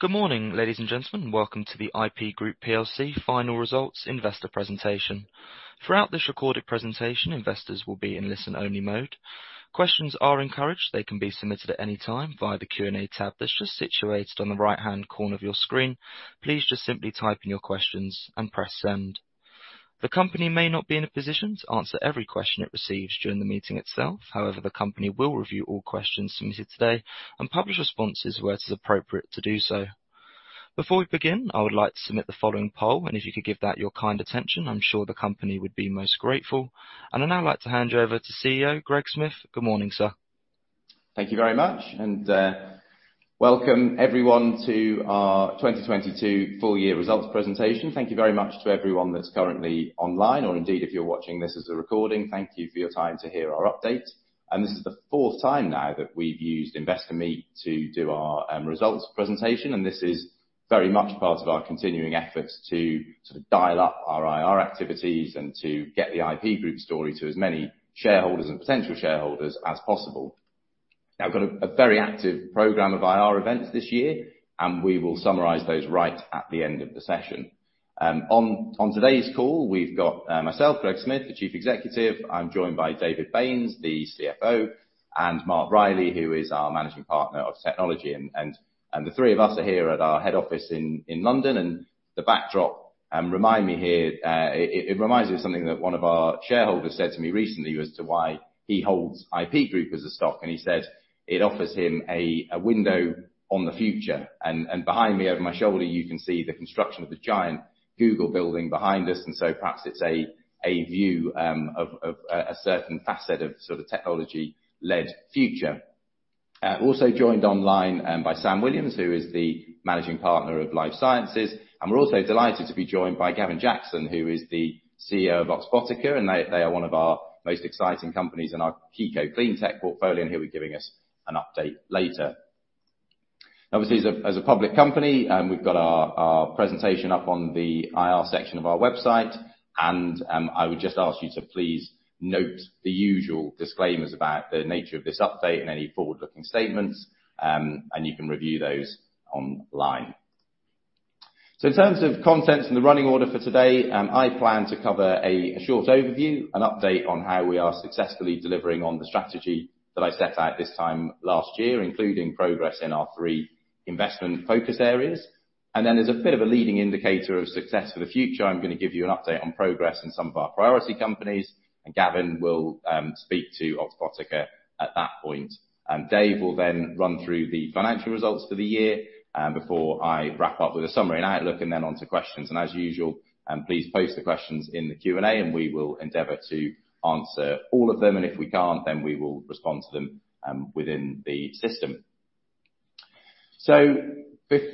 Good morning, ladies and gentlemen, and welcome to the IP Group plc final results investor presentation. Throughout this recorded presentation, investors will be in listen-only mode. Questions are encouraged. They can be submitted at any time via the Q&A tab that's just situated on the right-hand corner of your screen. Please just simply type in your questions and press Send. The company may not be in a position to answer every question it receives during the meeting itself. However, the company will review all questions submitted today and publish responses where it is appropriate to do so. Before we begin, I would like to submit the following poll, and if you could give that your kind attention, I'm sure the company would be most grateful. I'd now like to hand you over to CEO Greg Smith. Good morning, sir. Thank you very much. Welcome everyone to our 2022 full year results presentation. Thank you very much to everyone that's currently online or indeed if you're watching this as a recording, thank you for your time to hear our update. This is the fourth time now that we've used Investor Meet to do our results presentation. This is very much part of our continuing efforts to sort of dial up our IR activities and to get the IP Group story to as many shareholders and potential shareholders as possible. We've got a very active program of IR events this year. We will summarize those right at the end of the session. On today's call, we've got myself, Greg Smith, the Chief Executive. I'm joined by David Baynes, the CFO, and Mark Reilly, who is our Managing Partner of Technology. The three of us are here at our head office in London. The backdrop reminds me of something that one of our shareholders said to me recently as to why he holds IP Group as a stock, and he said it offers him a window on the future. Behind me, over my shoulder, you can see the construction of the giant Google building behind us. Perhaps it's a view of a certain facet of sort of technology-led future. Also joined online by Sam Williams, who is the Managing Partner of Life Sciences. We're also delighted to be joined by Gavin Jackson, who is the CEO of Oxbotica, and they are one of our most exciting companies in our key co-Cleantech portfolio, and he'll be giving us an update later. Obviously, as a public company, we've got our presentation up on the IR section of our website, I would just ask you to please note the usual disclaimers about the nature of this update and any forward-looking statements, and you can review those online. In terms of contents and the running order for today, I plan to cover a short overview, an update on how we are successfully delivering on the strategy that I set out this time last year, including progress in our three investment focus areas. Then, as a bit of a leading indicator of success for the future, I'm going to give you an update on progress in some of our priority companies, Gavin will speak to Oxbotica at that point. Dave will then run through the financial results for the year, before I wrap up with a summary and outlook then onto questions. As usual, please post the questions in the Q&A, we will endeavor to answer all of them. If we can't, then we will respond to them within the system.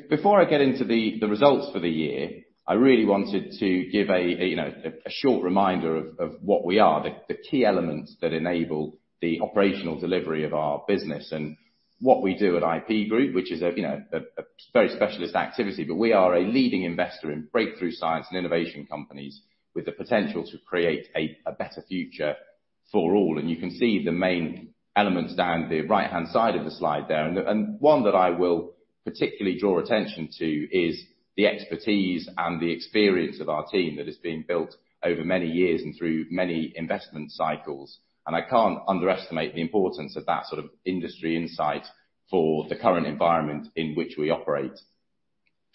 Before I get into the results for the year, I really wanted to give, you know, a short reminder of what we are, the key elements that enable the operational delivery of our business and what we do at IP Group, which is, you know, a very specialist activity, but we are a leading investor in breakthrough science and innovation companies with the potential to create a better future for all. You can see the main elements down the right-hand side of the slide there. One that I will particularly draw attention to is the expertise and the experience of our team that has been built over many years and through many investment cycles. I can't underestimate the importance of that sort of industry insight for the current environment in which we operate.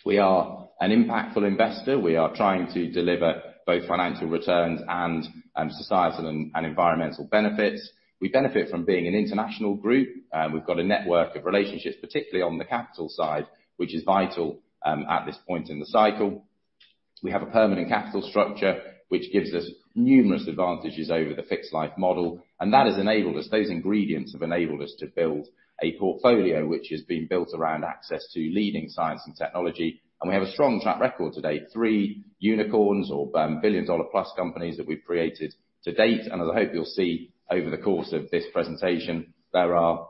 We are an impactful investor. We are trying to deliver both financial returns and societal and environmental benefits. We benefit from being an international group. We've got a network of relationships, particularly on the capital side, which is vital at this point in the cycle. We have a permanent capital structure, which gives us numerous advantages over the fixed life model, and that has enabled us, those ingredients have enabled us to build a portfolio which has been built around access to leading science and technology. We have a strong track record to date, three unicorns or billion-dollar plus companies that we've created to date. As I hope you'll see over the course of this presentation, there are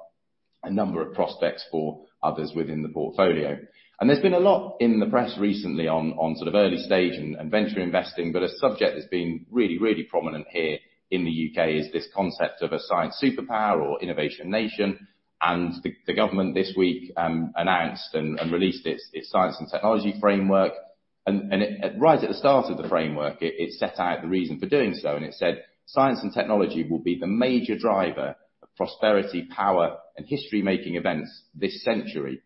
a number of prospects for others within the portfolio. There's been a lot in the press recently on sort of early-stage and venture investing, but a subject that's been really, really prominent here in the U.K. is this concept of a science superpower or innovation nation. The government this week announced and released its Science and Technology Framework. It, right at the start of the framework, it set out the reason for doing so, and it said, "Science and technology will be the major driver of prosperity, power, and history-making events this century."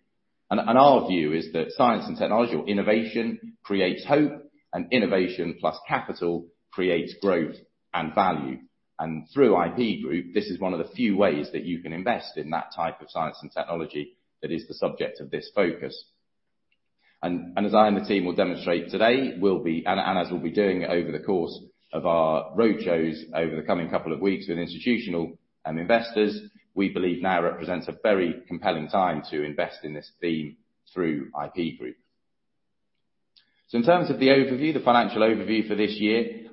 Our view is that science and technology or innovation creates hope, and innovation plus capital creates growth and value. Through IP Group, this is one of the few ways that you can invest in that type of science and technology that is the subject of this focus. As I and the team will demonstrate today, and as we'll be doing over the course of our roadshows over the coming couple of weeks with institutional investors, we believe now represents a very compelling time to invest in this theme through IP Group. In terms of the overview, the financial overview for this year,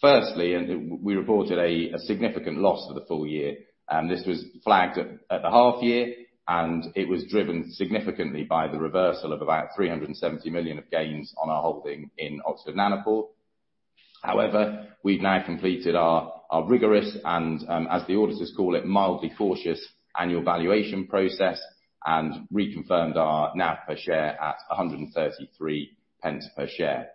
firstly, we reported a significant loss for the full year, and this was flagged at the half year, and it was driven significantly by the reversal of about 370 million of gains on our holding in Oxford Nanopore. However, we've now completed our rigorous and, as the auditors call it, mildly cautious annual valuation process and reconfirmed our NAV per share at 133p per share.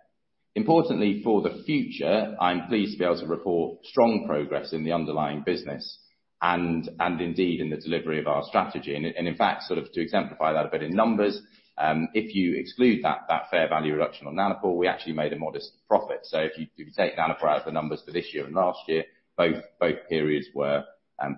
Importantly, for the future, I'm pleased to be able to report strong progress in the underlying business and indeed in the delivery of our strategy. In fact, sort of to exemplify that a bit in numbers, if you exclude that fair value reduction on Nanopore, we actually made a modest profit. If you take Nanopore out of the numbers for this year and last year, both periods were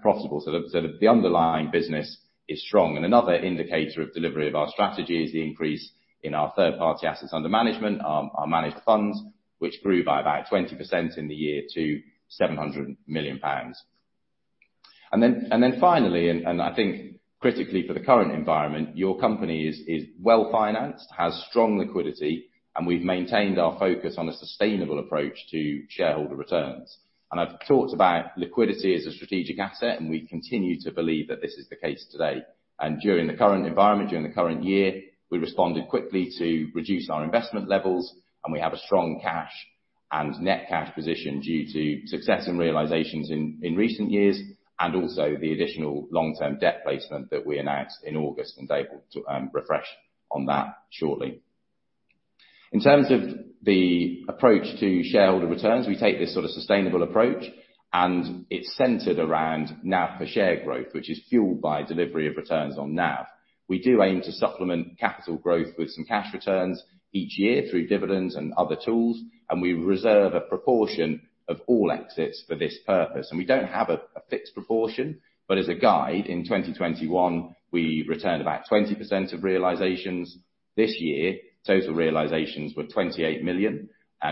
profitable. The underlying business is strong. Another indicator of delivery of our strategy is the increase in our third-party assets under management, our managed funds, which grew by about 20% in the year to 700 million pounds. Finally, I think critically for the current environment, your company is well-financed, has strong liquidity, and we've maintained our focus on a sustainable approach to shareholder returns. I've talked about liquidity as a strategic asset, and we continue to believe that this is the case today. During the current environment, during the current year, we responded quickly to reduce our investment levels, and we have a strong cash and net cash position due to success and realizations in recent years, and also the additional long-term debt placement that we announced in August, and Dave will refresh on that shortly. In terms of the approach to shareholder returns, we take this sort of sustainable approach, and it's centered around NAV per share growth, which is fueled by delivery of returns on NAV. We do aim to supplement capital growth with some cash returns each year through dividends and other tools. We reserve a proportion of all exits for this purpose. We don't have a fixed proportion, but as a guide, in 2021, we returned about 20% of realizations. This year, total realizations were 28 million.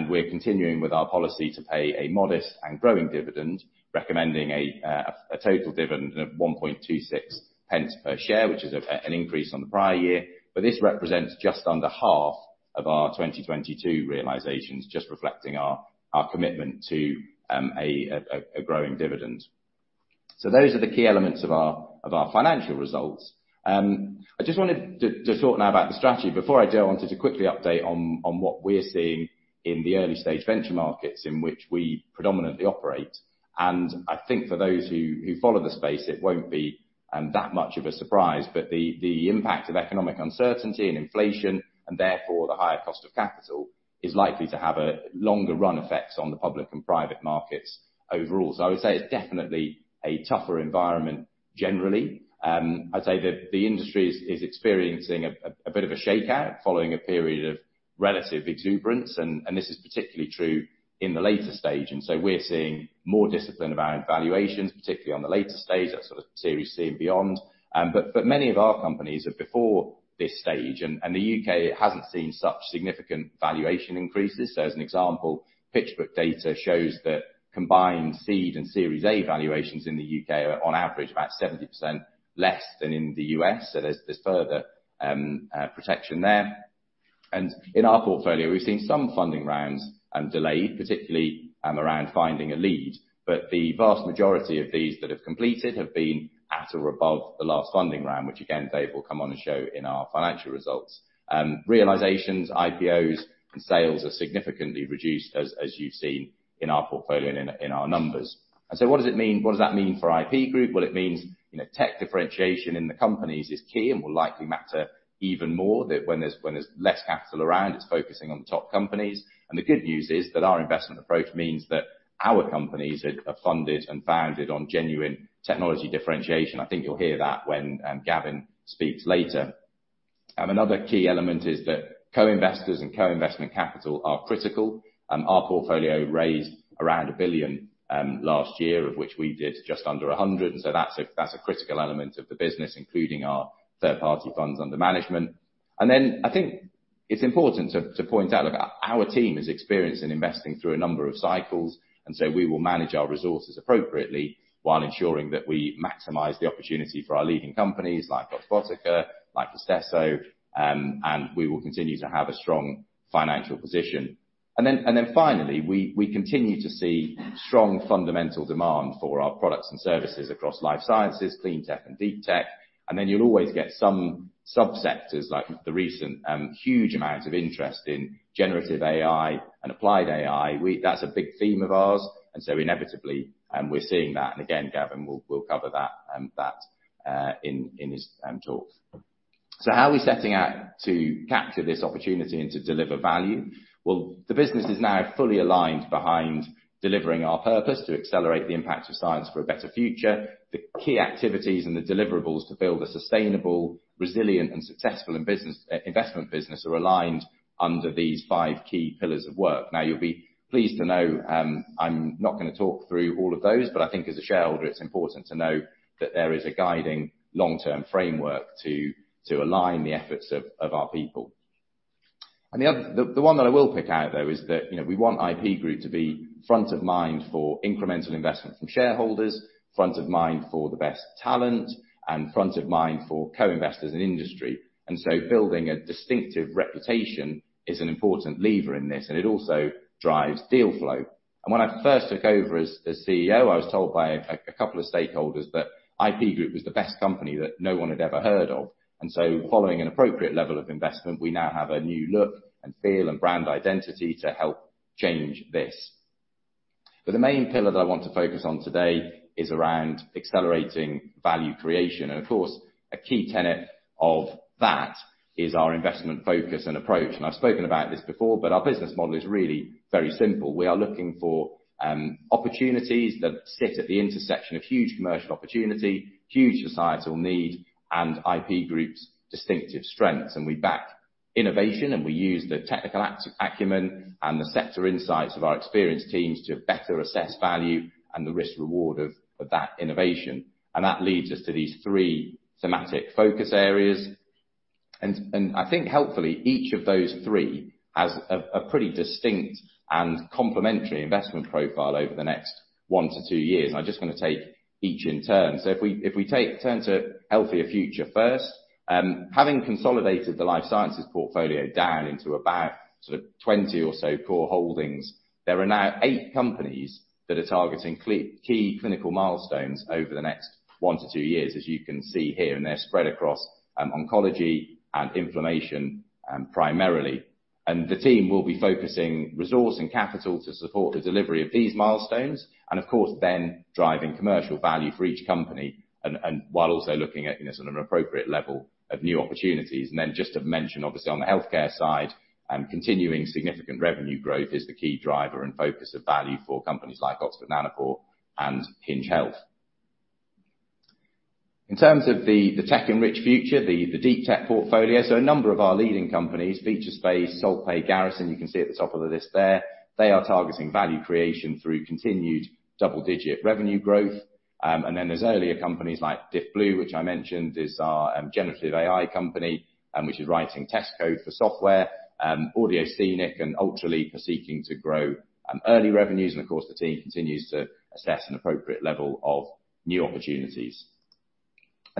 We're continuing with our policy to pay a modest and growing dividend, recommending a total dividend of 1.26 pence per share, which is an increase on the prior year. This represents just under half of our 2022 realizations, just reflecting our commitment to a growing dividend. Those are the key elements of our financial results. I just wanted to talk now about the strategy. Before I do, I wanted to quickly update on what we're seeing in the early-stage venture markets in which we predominantly operate. I think for those who follow the space, it won't be that much of a surprise. The impact of economic uncertainty and inflation, and therefore the higher cost of capital, is likely to have a longer run effect on the public and private markets overall. I would say it's definitely a tougher environment generally. I'd say the industry is experiencing a bit of a shakeout following a period of relative exuberance, and this is particularly true in the later stage. We're seeing more discipline around valuations, particularly on the later stage, that sort of Series C and beyond. For many of our companies are before this stage, and the U.K. hasn't seen such significant valuation increases. As an example, PitchBook data shows that combined seed and Series A valuations in the U.K. are on average about 70% less than in the U.S., so there's further protection there. In our portfolio, we've seen some funding rounds delayed, particularly around finding a lead, but the vast majority of these that have completed have been at or above the last funding round, which again, Dave will come on and show in our financial results. Realizations, IPOs and sales are significantly reduced, as you've seen in our portfolio and our numbers. What does it mean? What does that mean for IP Group? Well, it means, you know, tech differentiation in the companies is key and will likely matter even more that when there's less capital around, it's focusing on the top companies. The good news is that our investment approach means that our companies are funded and founded on genuine technology differentiation. I think you'll hear that when Gavin speaks later. Another key element is that co-investors and co-investment capital are critical. Our portfolio raised around 1 billion last year, of which we did just under 100 million, so that's a critical element of the business, including our third-party funds under management. I think it's important to point out look our team is experienced in investing through a number of cycles, and so we will manage our resources appropriately while ensuring that we maximize the opportunity for our leading companies like Oxbotica, like Istesso, and we will continue to have a strong financial position. Finally, we continue to see strong fundamental demand for our products and services across Life Sciences, Cleantech and DeepTech. You'll always get some sub-sectors like the recent huge amounts of interest in generative AI and applied AI. That's a big theme of ours, and so inevitably, we're seeing that. Again, Gavin will cover that in his talk. How are we setting out to capture this opportunity and to deliver value? Well, the business is now fully aligned behind delivering our purpose to accelerate the impact of science for a better future. The key activities and the deliverables to build a sustainable, resilient and successful and business investment business are aligned under these five key pillars of work. You'll be pleased to know, I'm not gonna talk through all of those, but I think as a shareholder, it's important to know that there is a guiding long-term framework to align the efforts of our people. The one that I will pick out though is that, you know, we want IP Group to be front of mind for incremental investment from shareholders, front of mind for the best talent, and front of mind for co-investors in industry. Building a distinctive reputation is an important lever in this, and it also drives deal flow. When I first took over as CEO, I was told by a couple of stakeholders that IP Group was the best company that no one had ever heard of. Following an appropriate level of investment, we now have a new look and feel and brand identity to help change this. The main pillar that I want to focus on today is around accelerating value creation. A key tenet of that is our investment focus and approach. I've spoken about this before, but our business model is really very simple. We are looking for opportunities that sit at the intersection of huge commercial opportunity, huge societal need, and IP Group's distinctive strengths. We back innovation, we use the technical acumen and the sector insights of our experienced teams to better assess value and the risk reward of that innovation. That leads us to these three thematic focus areas. I think helpfully, each of those three has a pretty distinct and complementary investment profile over the next one to two years. I just wanna take each in turn. If we turn to Healthier Future first, having consolidated the Life Sciences portfolio down into about 20 or so core holdings, there are now eight companies that are targeting key clinical milestones over the next one to two years, as you can see here, and they're spread across oncology and inflammation primarily. The team will be focusing resource and capital to support the delivery of these milestones and of course, then driving commercial value for each company and while also looking at, you know, appropriate level of new opportunities. Just to mention, obviously on the healthcare side, continuing significant revenue growth is the key driver and focus of value for companies like Oxford Nanopore and Hinge Health. In terms of the tech and rich future, the DeepTech portfolio, a number of our leading companies, Featurespace, SaltPay, Garrison, you can see at the top of the list there, they are targeting value creation through continued double-digit revenue growth. Then there's earlier companies like Diffblue, which I mentioned, is our generative AI company, which is writing test code for software, Audioscenic and Ultraleap are seeking to grow early revenues. Of course, the team continues to assess an appropriate level of new opportunities.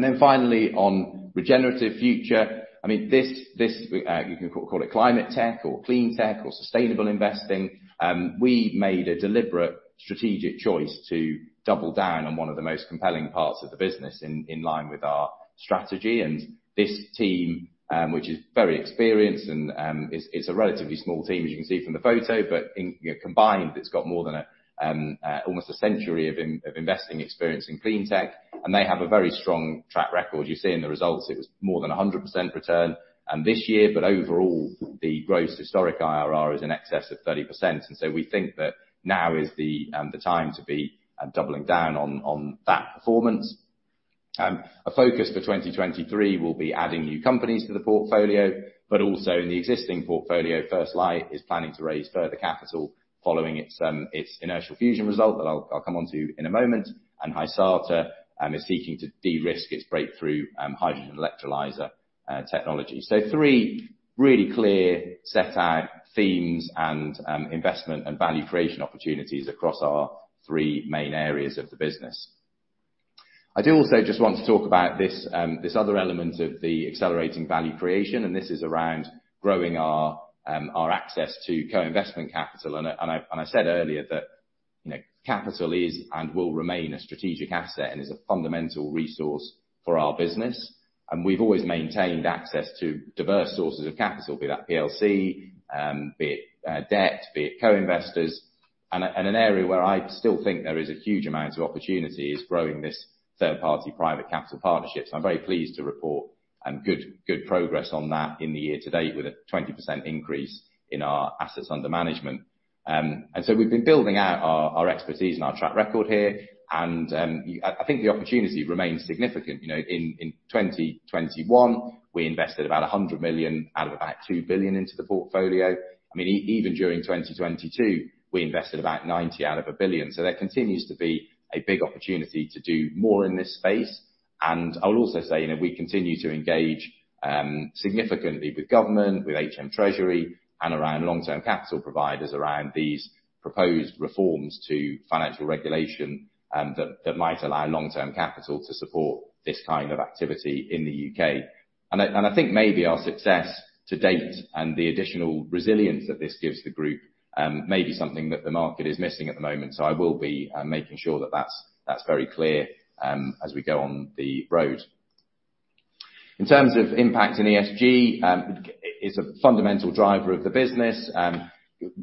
Then finally on regenerative future, this we, you can call it climate tech or cleantech or sustainable investing. We made a deliberate strategic choice to double down on one of the most compelling parts of the business in line with our strategy. This team, which is very experienced and is a relatively small team, as you can see from the photo, but in, you know, combined, it's got more than almost a century of investing experience in Cleantech, and they have a very strong track record. You see in the results, it was more than a 100% return this year, but overall, the gross historic IRR is in excess of 30%. So we think that now is the time to be doubling down on that performance. A focus for 2023 will be adding new companies to the portfolio, but also in the existing portfolio, First Light is planning to raise further capital following its inertial fusion result that I'll come onto in a moment. Hysata is seeking to de-risk its breakthrough hydrogen electrolyzer technology. Three really clear set out themes and investment and value creation opportunities across our three main areas of the business. I do also just want to talk about this other element of the accelerating value creation, and this is around growing our access to co-investment capital. I said earlier that, you know, capital is and will remain a strategic asset and is a fundamental resource for our business. We've always maintained access to diverse sources of capital, be that PLC, be it debt, be it co-investors. An area where I still think there is a huge amount of opportunity is growing this third-party private capital partnerships. I'm very pleased to report good progress on that in the year to date with a 20% increase in our assets under management. We've been building out our expertise and our track record here, and I think the opportunity remains significant. You know, in 2021, we invested about 100 million out of about 2 billion into the portfolio. I mean, even during 2022, we invested about 90 million out of 1 billion. There continues to be a big opportunity to do more in this space. And I would also say, you know, we continue to engage significantly with government, with HM Treasury and around long-term capital providers around these proposed reforms to financial regulation that might allow long-term capital to support this kind of activity in the U.K. I think maybe our success to date and the additional resilience that this gives the group may be something that the market is missing at the moment. I will be making sure that that's very clear as we go on the road. In terms of impact in ESG, it's a fundamental driver of the business.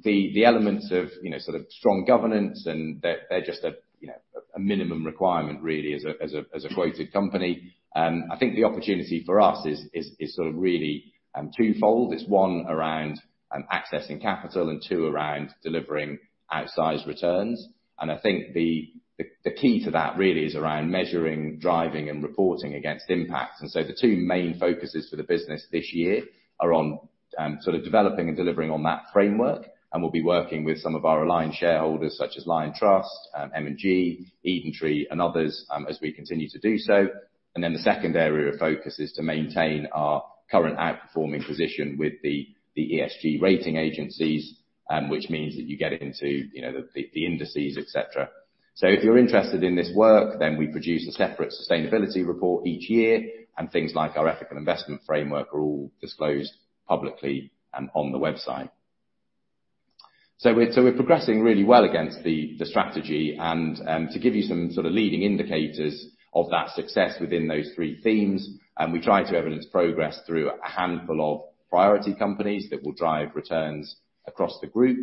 The elements of, you know, sort of strong governance and they're just a, you know, a minimum requirement really as a quoted company. I think the opportunity for us is sort of really twofold. It's one, around accessing capital and two, around delivering outsized returns. I think the key to that really is around measuring, driving, and reporting against impact. The two main focuses for the business this year are on, sort of developing and delivering on that framework. We'll be working with some of our aligned shareholders, such as Liontrust, M&G, EdenTree and others, as we continue to do so. The second area of focus is to maintain our current outperforming position with the ESG rating agencies, which means that you get into, you know, the indices, et cetera. If you're interested in this work, then we produce a separate sustainability report each year, and things like our ethical investment framework are all disclosed publicly on the website. We're progressing really well against the strategy and to give you some sort of leading indicators of that success within those three themes, we try to evidence progress through a handful of priority companies that will drive returns across the group.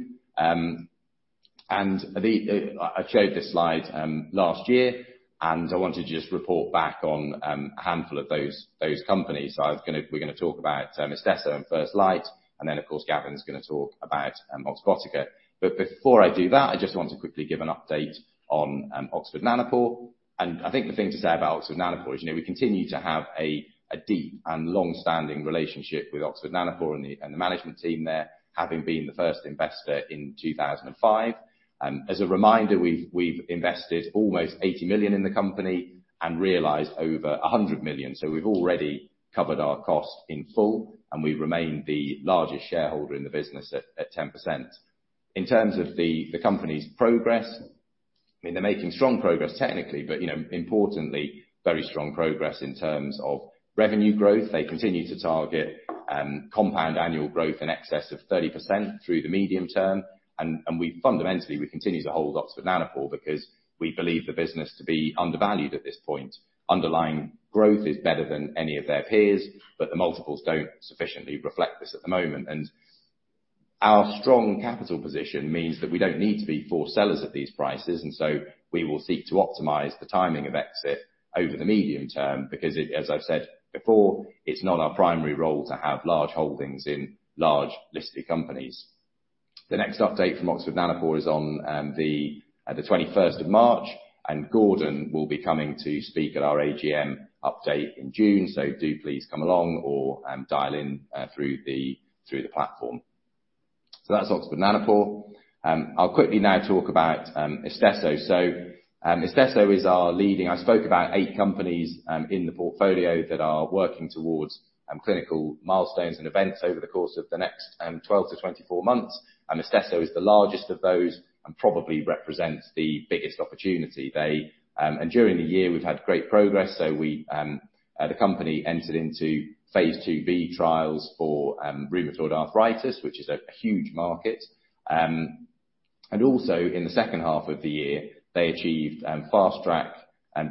The I showed this slide last year, and I wanted to just report back on a handful of those companies. We're gonna talk about Istesso and First Light, and then of course, Gavin's gonna talk about Oxbotica. Before I do that, I just want to quickly give an update on Oxford Nanopore. I think the thing to say about Oxford Nanopore is, you know, we continue to have a deep and long-standing relationship with Oxford Nanopore and the management team there, having been the first investor in 2005. As a reminder, we've invested almost 80 million in the company and realized over 100 million. We've already covered our cost in full, and we remain the largest shareholder in the business at 10%. In terms of the company's progress, I mean, they're making strong progress technically, but you know, importantly, very strong progress in terms of revenue growth. They continue to target compound annual growth in excess of 30% through the medium term. We fundamentally, we continue to hold Oxford Nanopore because we believe the business to be undervalued at this point. Underlying growth is better than any of their peers, the multiples don't sufficiently reflect this at the moment. Our strong capital position means that we don't need to be forced sellers at these prices, we will seek to optimize the timing of exit over the medium term because as I've said before, it's not our primary role to have large holdings in large listed companies. The next update from Oxford Nanopore is on the 21st of March, Gordon will be coming to speak at our AGM update in June. Do please come along or dial in through the platform. That's Oxford Nanopore. I'll quickly now talk about Istesso. Istesso is our leading... I spoke about eight companies in the portfolio that are working towards clinical milestones and events over the course of the next 12-24 months. Istesso is the largest of those and probably represents the biggest opportunity. They during the year, we've had great progress, so we the company entered into Phase IIb trials for rheumatoid arthritis, which is a huge market. Also in the second half of the year, they achieved Fast Track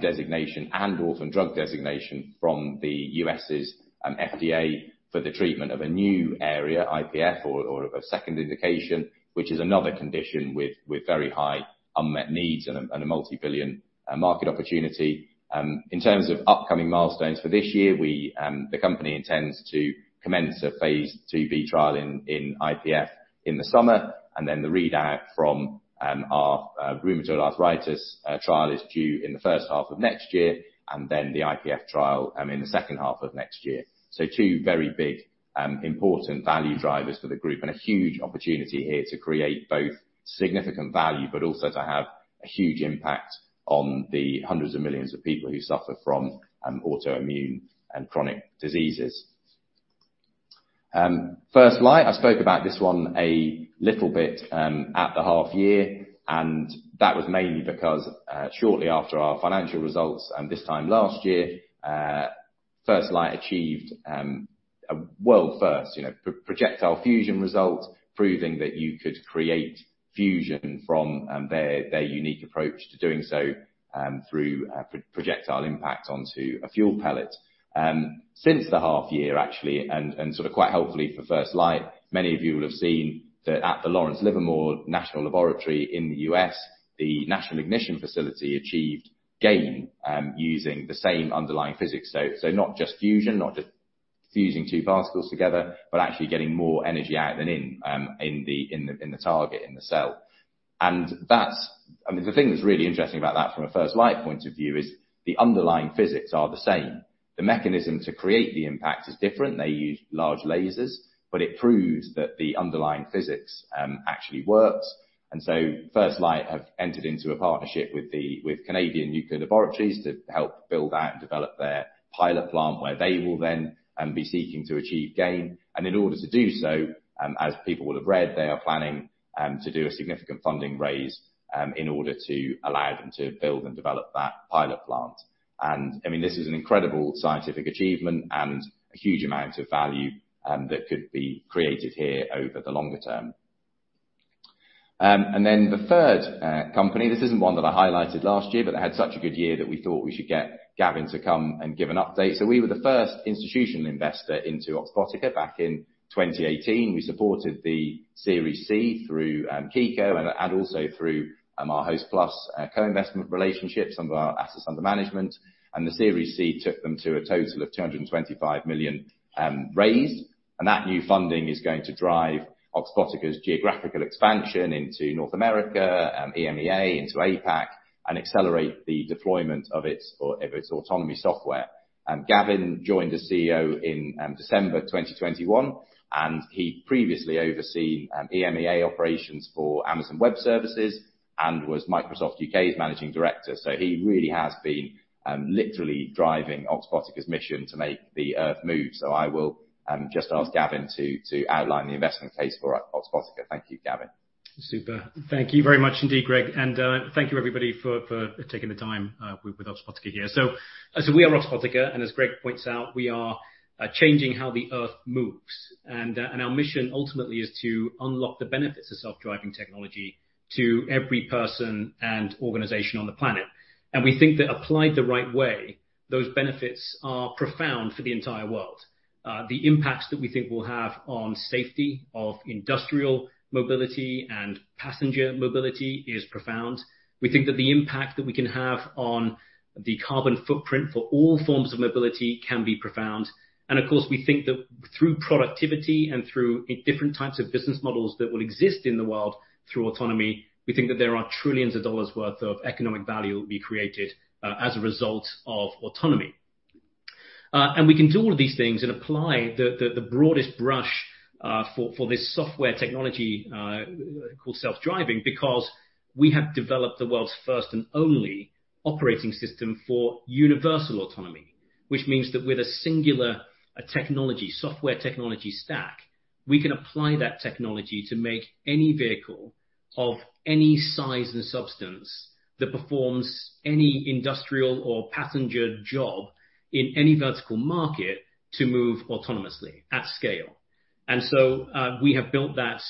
designation and Orphan Drug Designation from the U.S.'s FDA for the treatment of a new area, IPF or a second indication, which is another condition with very high unmet needs and a multi-billion market opportunity. In terms of upcoming milestones for this year, we, the company intends to commence a phase IIb trial in IPF in the summer, and then the readout from our rheumatoid arthritis trial is due in the first half of next year, and then the IPF trial in the second half of next year. Two very big, important value drivers for the group and a huge opportunity here to create both significant value, but also to have a huge impact on the hundreds of millions of people who suffer from autoimmune and chronic diseases. First Light, I spoke about this one a little bit at the half year, and that was mainly because shortly after our financial results and this time last year, First Light achieved a world-first, you know, projectile fusion result, proving that you could create fusion from their unique approach to doing so through a projectile impact onto a fuel pellet. Since the half year actually, and sort of quite helpfully for First Light, many of you will have seen that at the Lawrence Livermore National Laboratory in the U.S., the National Ignition Facility achieved gain using the same underlying physics. Not just fusion, not just fusing two particles together, but actually getting more energy out than in in the target, in the cell. That's I mean, the thing that's really interesting about that from a First Light point of view is the underlying physics are the same. The mechanism to create the impact is different. They use large lasers, but it proves that the underlying physics actually works. First Light have entered into a partnership with Canadian Nuclear Laboratories to help build out and develop their pilot plant, where they will then be seeking to achieve gain. In order to do so, as people will have read, they are planning to do a significant funding raise in order to allow them to build and develop that pilot plant. I mean, this is an incredible scientific achievement and a huge amount of value that could be created here over the longer term. The third company, this isn't one that I highlighted last year, but they had such a good year that we thought we should get Gavin to come and give an update. We were the first institutional investor into Oxbotica back in 2018. We supported the Series C through Kiko and through our Hostplus co-investment relationship, some of our assets under management. The Series C took them to a total of 225 million raised. That new funding is going to drive Oxbotica's geographical expansion into North America, EMEA, into APAC, and accelerate the deployment of its autonomy software. Gavin joined as CEO in December 2021. He previously overseen EMEA operations for Amazon Web Services and was Microsoft U.K.'s managing director. He really has been literally driving Oxbotica's mission to make the Earth move. I will just ask Gavin to outline the investment case for Oxbotica. Thank you, Gavin. Super. Thank you very much indeed, Greg. Thank you everybody for taking the time with Oxbotica here. We are Oxbotica, and as Greg points out, we are changing how the Earth moves. Our mission ultimately is to unlock the benefits of self-driving technology to every person and organization on the planet. We think that applied the right way, those benefits are profound for the entire world. The impacts that we think we'll have on safety of industrial mobility and passenger mobility is profound. We think that the impact that we can have on the carbon footprint for all forms of mobility can be profound. Of course, we think that through productivity and through different types of business models that will exist in the world through autonomy, we think that there are trillions of dollars worth of economic value will be created as a result of autonomy. We can do all of these things and apply the broadest brush for this software technology called self-driving, because we have developed the world's first and only operating system for universal autonomy. Which means that with a singular technology, software technology stack, we can apply that technology to make any vehicle of any size and substance that performs any industrial or passenger job in any vertical market to move autonomously at scale. We have built that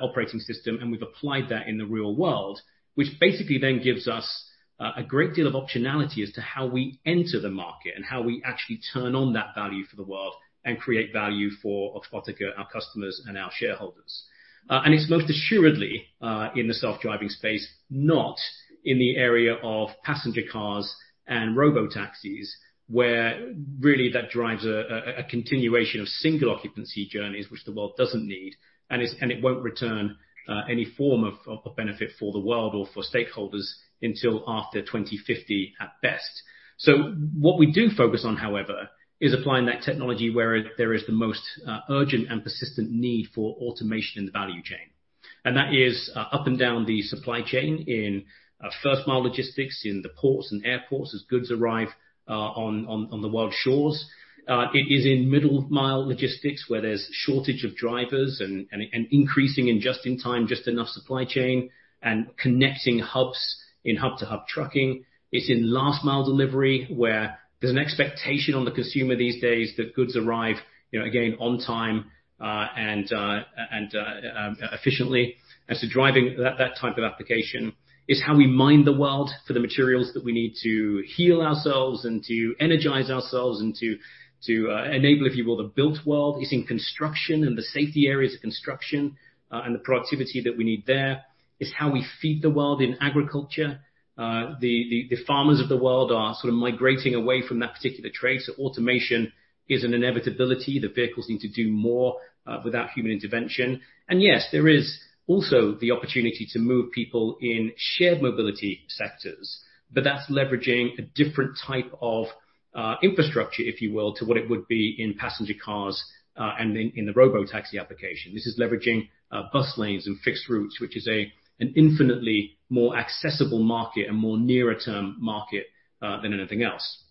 operating system, and we've applied that in the real world, which basically then gives us a great deal of optionality as to how we enter the market and how we actually turn on that value for the world and create value for Oxbotica, our customers, and our shareholders. It's most assuredly in the self-driving space, not in the area of passenger cars and robotaxis, where really that drives a continuation of single occupancy journeys which the world doesn't need, and it, and it won't return any form of benefit for the world or for stakeholders until after 2050 at best. What we do focus on, however, is applying that technology where there is the most urgent and persistent need for automation in the value chain. That is up and down the supply chain in first-mile logistics in the ports and airports as goods arrive on the world shores. It is in middle-mile logistics, where there's shortage of drivers and increasing in just-in-time, just enough supply chain and connecting hubs in hub-to-hub trucking. It's in last mile delivery, where there's an expectation on the consumer these days that goods arrive, you know, again on time, and efficiently. Driving that type of application is how we mine the world for the materials that we need to heal ourselves and to energize ourselves and to enable, if you will, the built world. It's in construction and the safety areas of construction, and the productivity that we need there. It's how we feed the world in agriculture. The farmers of the world are sort of migrating away from that particular trait. Automation is an inevitability. The vehicles need to do more without human intervention. Yes, there is also the opportunity to move people in shared mobility sectors. That's leveraging a different type of infrastructure, if you will, to what it would be in passenger cars and in the robotaxi application. This is leveraging bus lanes and fixed routes, which is a, an infinitely more accessible market and more nearer term market than anything else.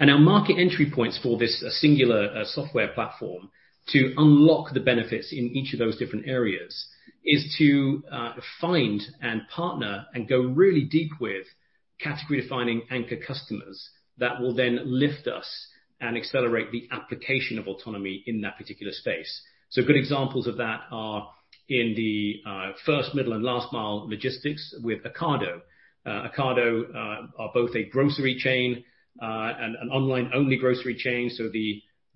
Our market entry points for this singular software platform to unlock the benefits in each of those different areas is to find and partner and go really deep with category-defining anchor customers that will then lift us and accelerate the application of autonomy in that particular space. Good examples of that are in the first, middle, and last mile logistics with Ocado. Ocado are both a grocery chain and an online-only grocery chain.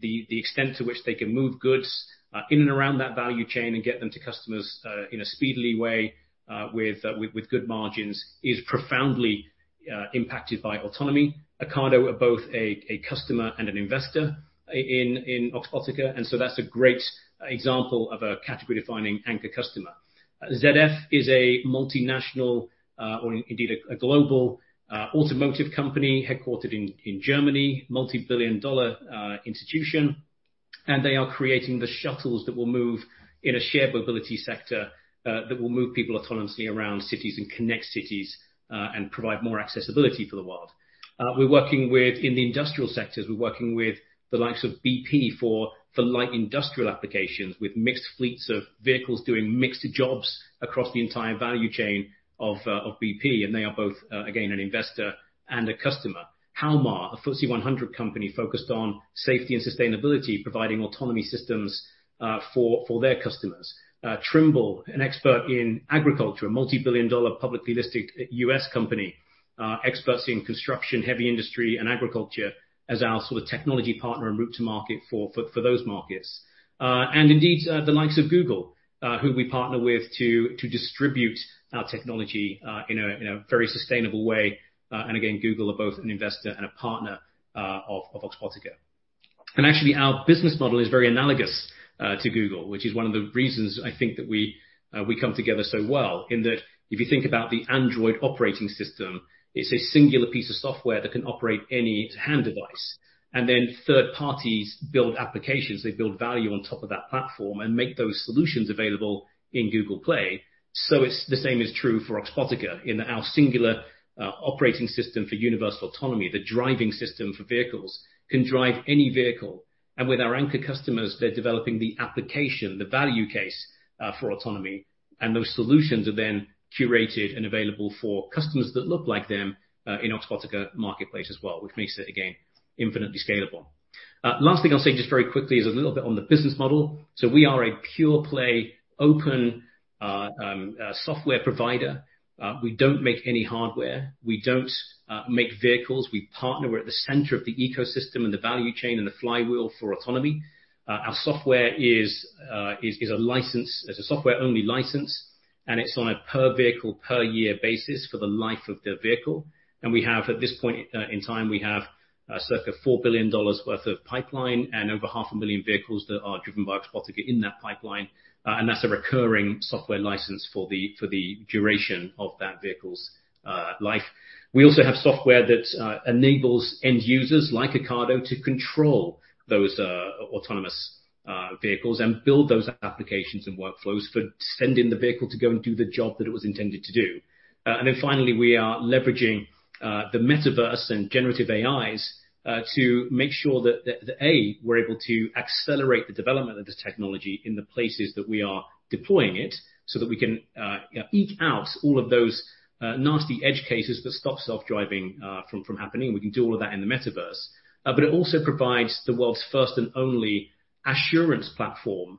The extent to which they can move goods in and around that value chain and get them to customers in a speedily way with good margins is profoundly impacted by autonomy. Ocado are both a customer and an investor in Oxbotica, that's a great example of a category-defining anchor customer. ZF is a multinational, or indeed a global automotive company headquartered in Germany, multi-billion dollar institution. They are creating the shuttles that will move in a shared mobility sector that will move people autonomously around cities and connect cities and provide more accessibility for the world. We're working with, in the industrial sectors, we're working with the likes of BP for the light industrial applications, with mixed fleets of vehicles doing mixed jobs across the entire value chain of BP. They are both, again, an investor and a customer. Halma, a FTSE 100 company focused on safety and sustainability, providing autonomy systems for their customers. Trimble, an expert in agriculture, a multi-billion dollar publicly listed U.S. company, experts in construction, heavy industry, and agriculture as our sort of technology partner and route to market for those markets. Indeed, the likes of Google, who we partner with to distribute our technology in a very sustainable way. Again, Google are both an investor and a partner of Oxbotica. Actually, our business model is very analogous to Google, which is one of the reasons I think that we come together so well, in that if you think about the Android operating system, it's a singular piece of software that can operate any hand device. Then third parties build applications. They build value on top of that platform and make those solutions available in Google Play. The same is true for Oxbotica. In our singular operating system for universal autonomy, the driving system for vehicles can drive any vehicle. With our anchor customers, they're developing the application, the value case for autonomy. Those solutions are then curated and available for customers that look like them, in Oxbotica marketplace as well, which makes it, again. Infinitely scalable. Last thing I'll say just very quickly is a little bit on the business model. We are a pure play open software provider. We don't make any hardware. We don't make vehicles. We partner. We're at the center of the ecosystem and the value chain and the flywheel for autonomy. Our software is a license. It's a software-only license, and it's on a per vehicle, per year basis for the life of the vehicle. At this point in time, we have circa $4 billion worth of pipeline and over 500,000 vehicles that are driven by Oxbotica in that pipeline, and that's a recurring software license for the duration of that vehicle's life. We also have software that enables end users like Ocado to control those autonomous vehicles and build those applications and workflows for sending the vehicle to go and do the job that it was intended to do. Finally, we are leveraging the metaverse and generative AIs to make sure that A, we're able to accelerate the development of the technology in the places that we are deploying it so that we can eke out all of those nasty edge cases that stop self-driving from happening. We can do all of that in the metaverse. It also provides the world's first and only assurance platform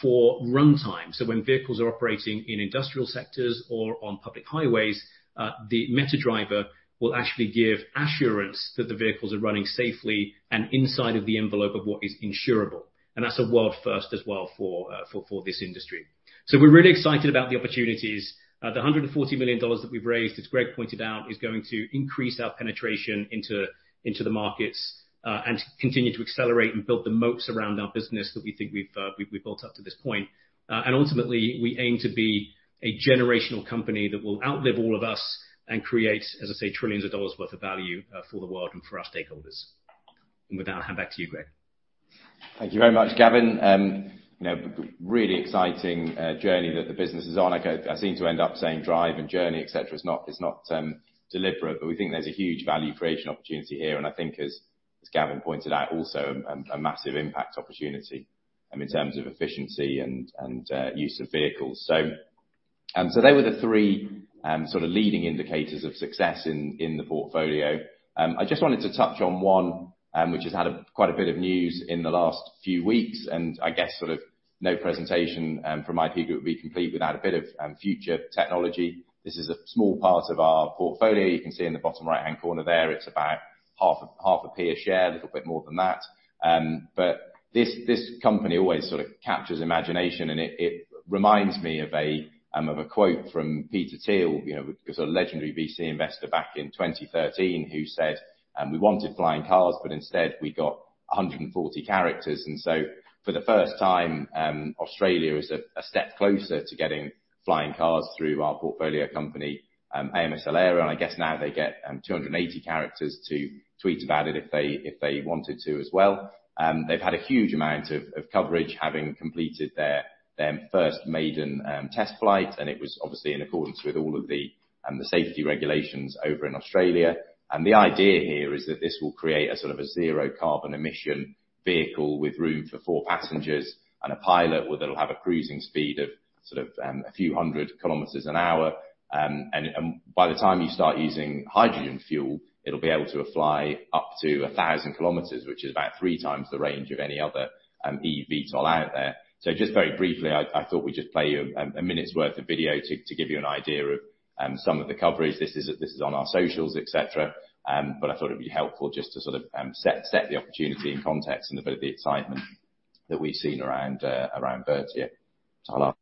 for runtime. When vehicles are operating in industrial sectors or on public highways, the MetaDriver will actually give assurance that the vehicles are running safely and inside of the envelope of what is insurable. That's a world first as well for this industry. We're really excited about the opportunities. The $140 million that we've raised, as Greg pointed out, is going to increase our penetration into the markets and continue to accelerate and build the moats around our business that we think we've built up to this point. Ultimately, we aim to be a generational company that will outlive all of us and create, as I say, trillions of dollars worth of value for the world and for our stakeholders. With that, I'll hand back to you, Greg. Thank you very much, Gavin. You know, really exciting journey that the business is on. I seem to end up saying drive and journey, et cetera. It's not, it's not deliberate, but we think there's a huge value creation opportunity here, and I think as Gavin pointed out, also a massive impact opportunity, in terms of efficiency and use of vehicles. They were the three sort of leading indicators of success in the portfolio. I just wanted to touch on one, which has had a quite a bit of news in the last few weeks. I guess sort of no presentation from IP Group would be complete without a bit of future technology. This is a small part of our portfolio. You can see in the bottom right-hand corner there, it's about half a per share, a little bit more than that. This company always sort of captures imagination, and it reminds me of a quote from Peter Thiel, you know, the sort of legendary VC investor back in 2013 who said, "We wanted flying cars, but instead, we got 140 characters." For the first time, Australia is a step closer to getting flying cars through our portfolio company, AMSL Aero, and I guess now they get 280 characters to tweet about it if they wanted to as well. They've had a huge amount of coverage having completed their first maiden test flight. It was obviously in accordance with all of the safety regulations over in Australia. The idea here is that this will create a sort of a zero carbon emission vehicle with room for four passengers and a pilot that'll have a cruising speed of a few hundred kilometers an hour. By the time you start using hydrogen fuel, it'll be able to fly up to 1,000 km, which is about 3x the range of any other eVTOL out there. Just very briefly, I thought we'd just play you a minute's worth of video to give you an idea of some of the coverage. This is on our socials, etcetera, I thought it'd be helpful just to sort of set the opportunity and context and a bit of the excitement that we've seen around birds yet. Ta-da.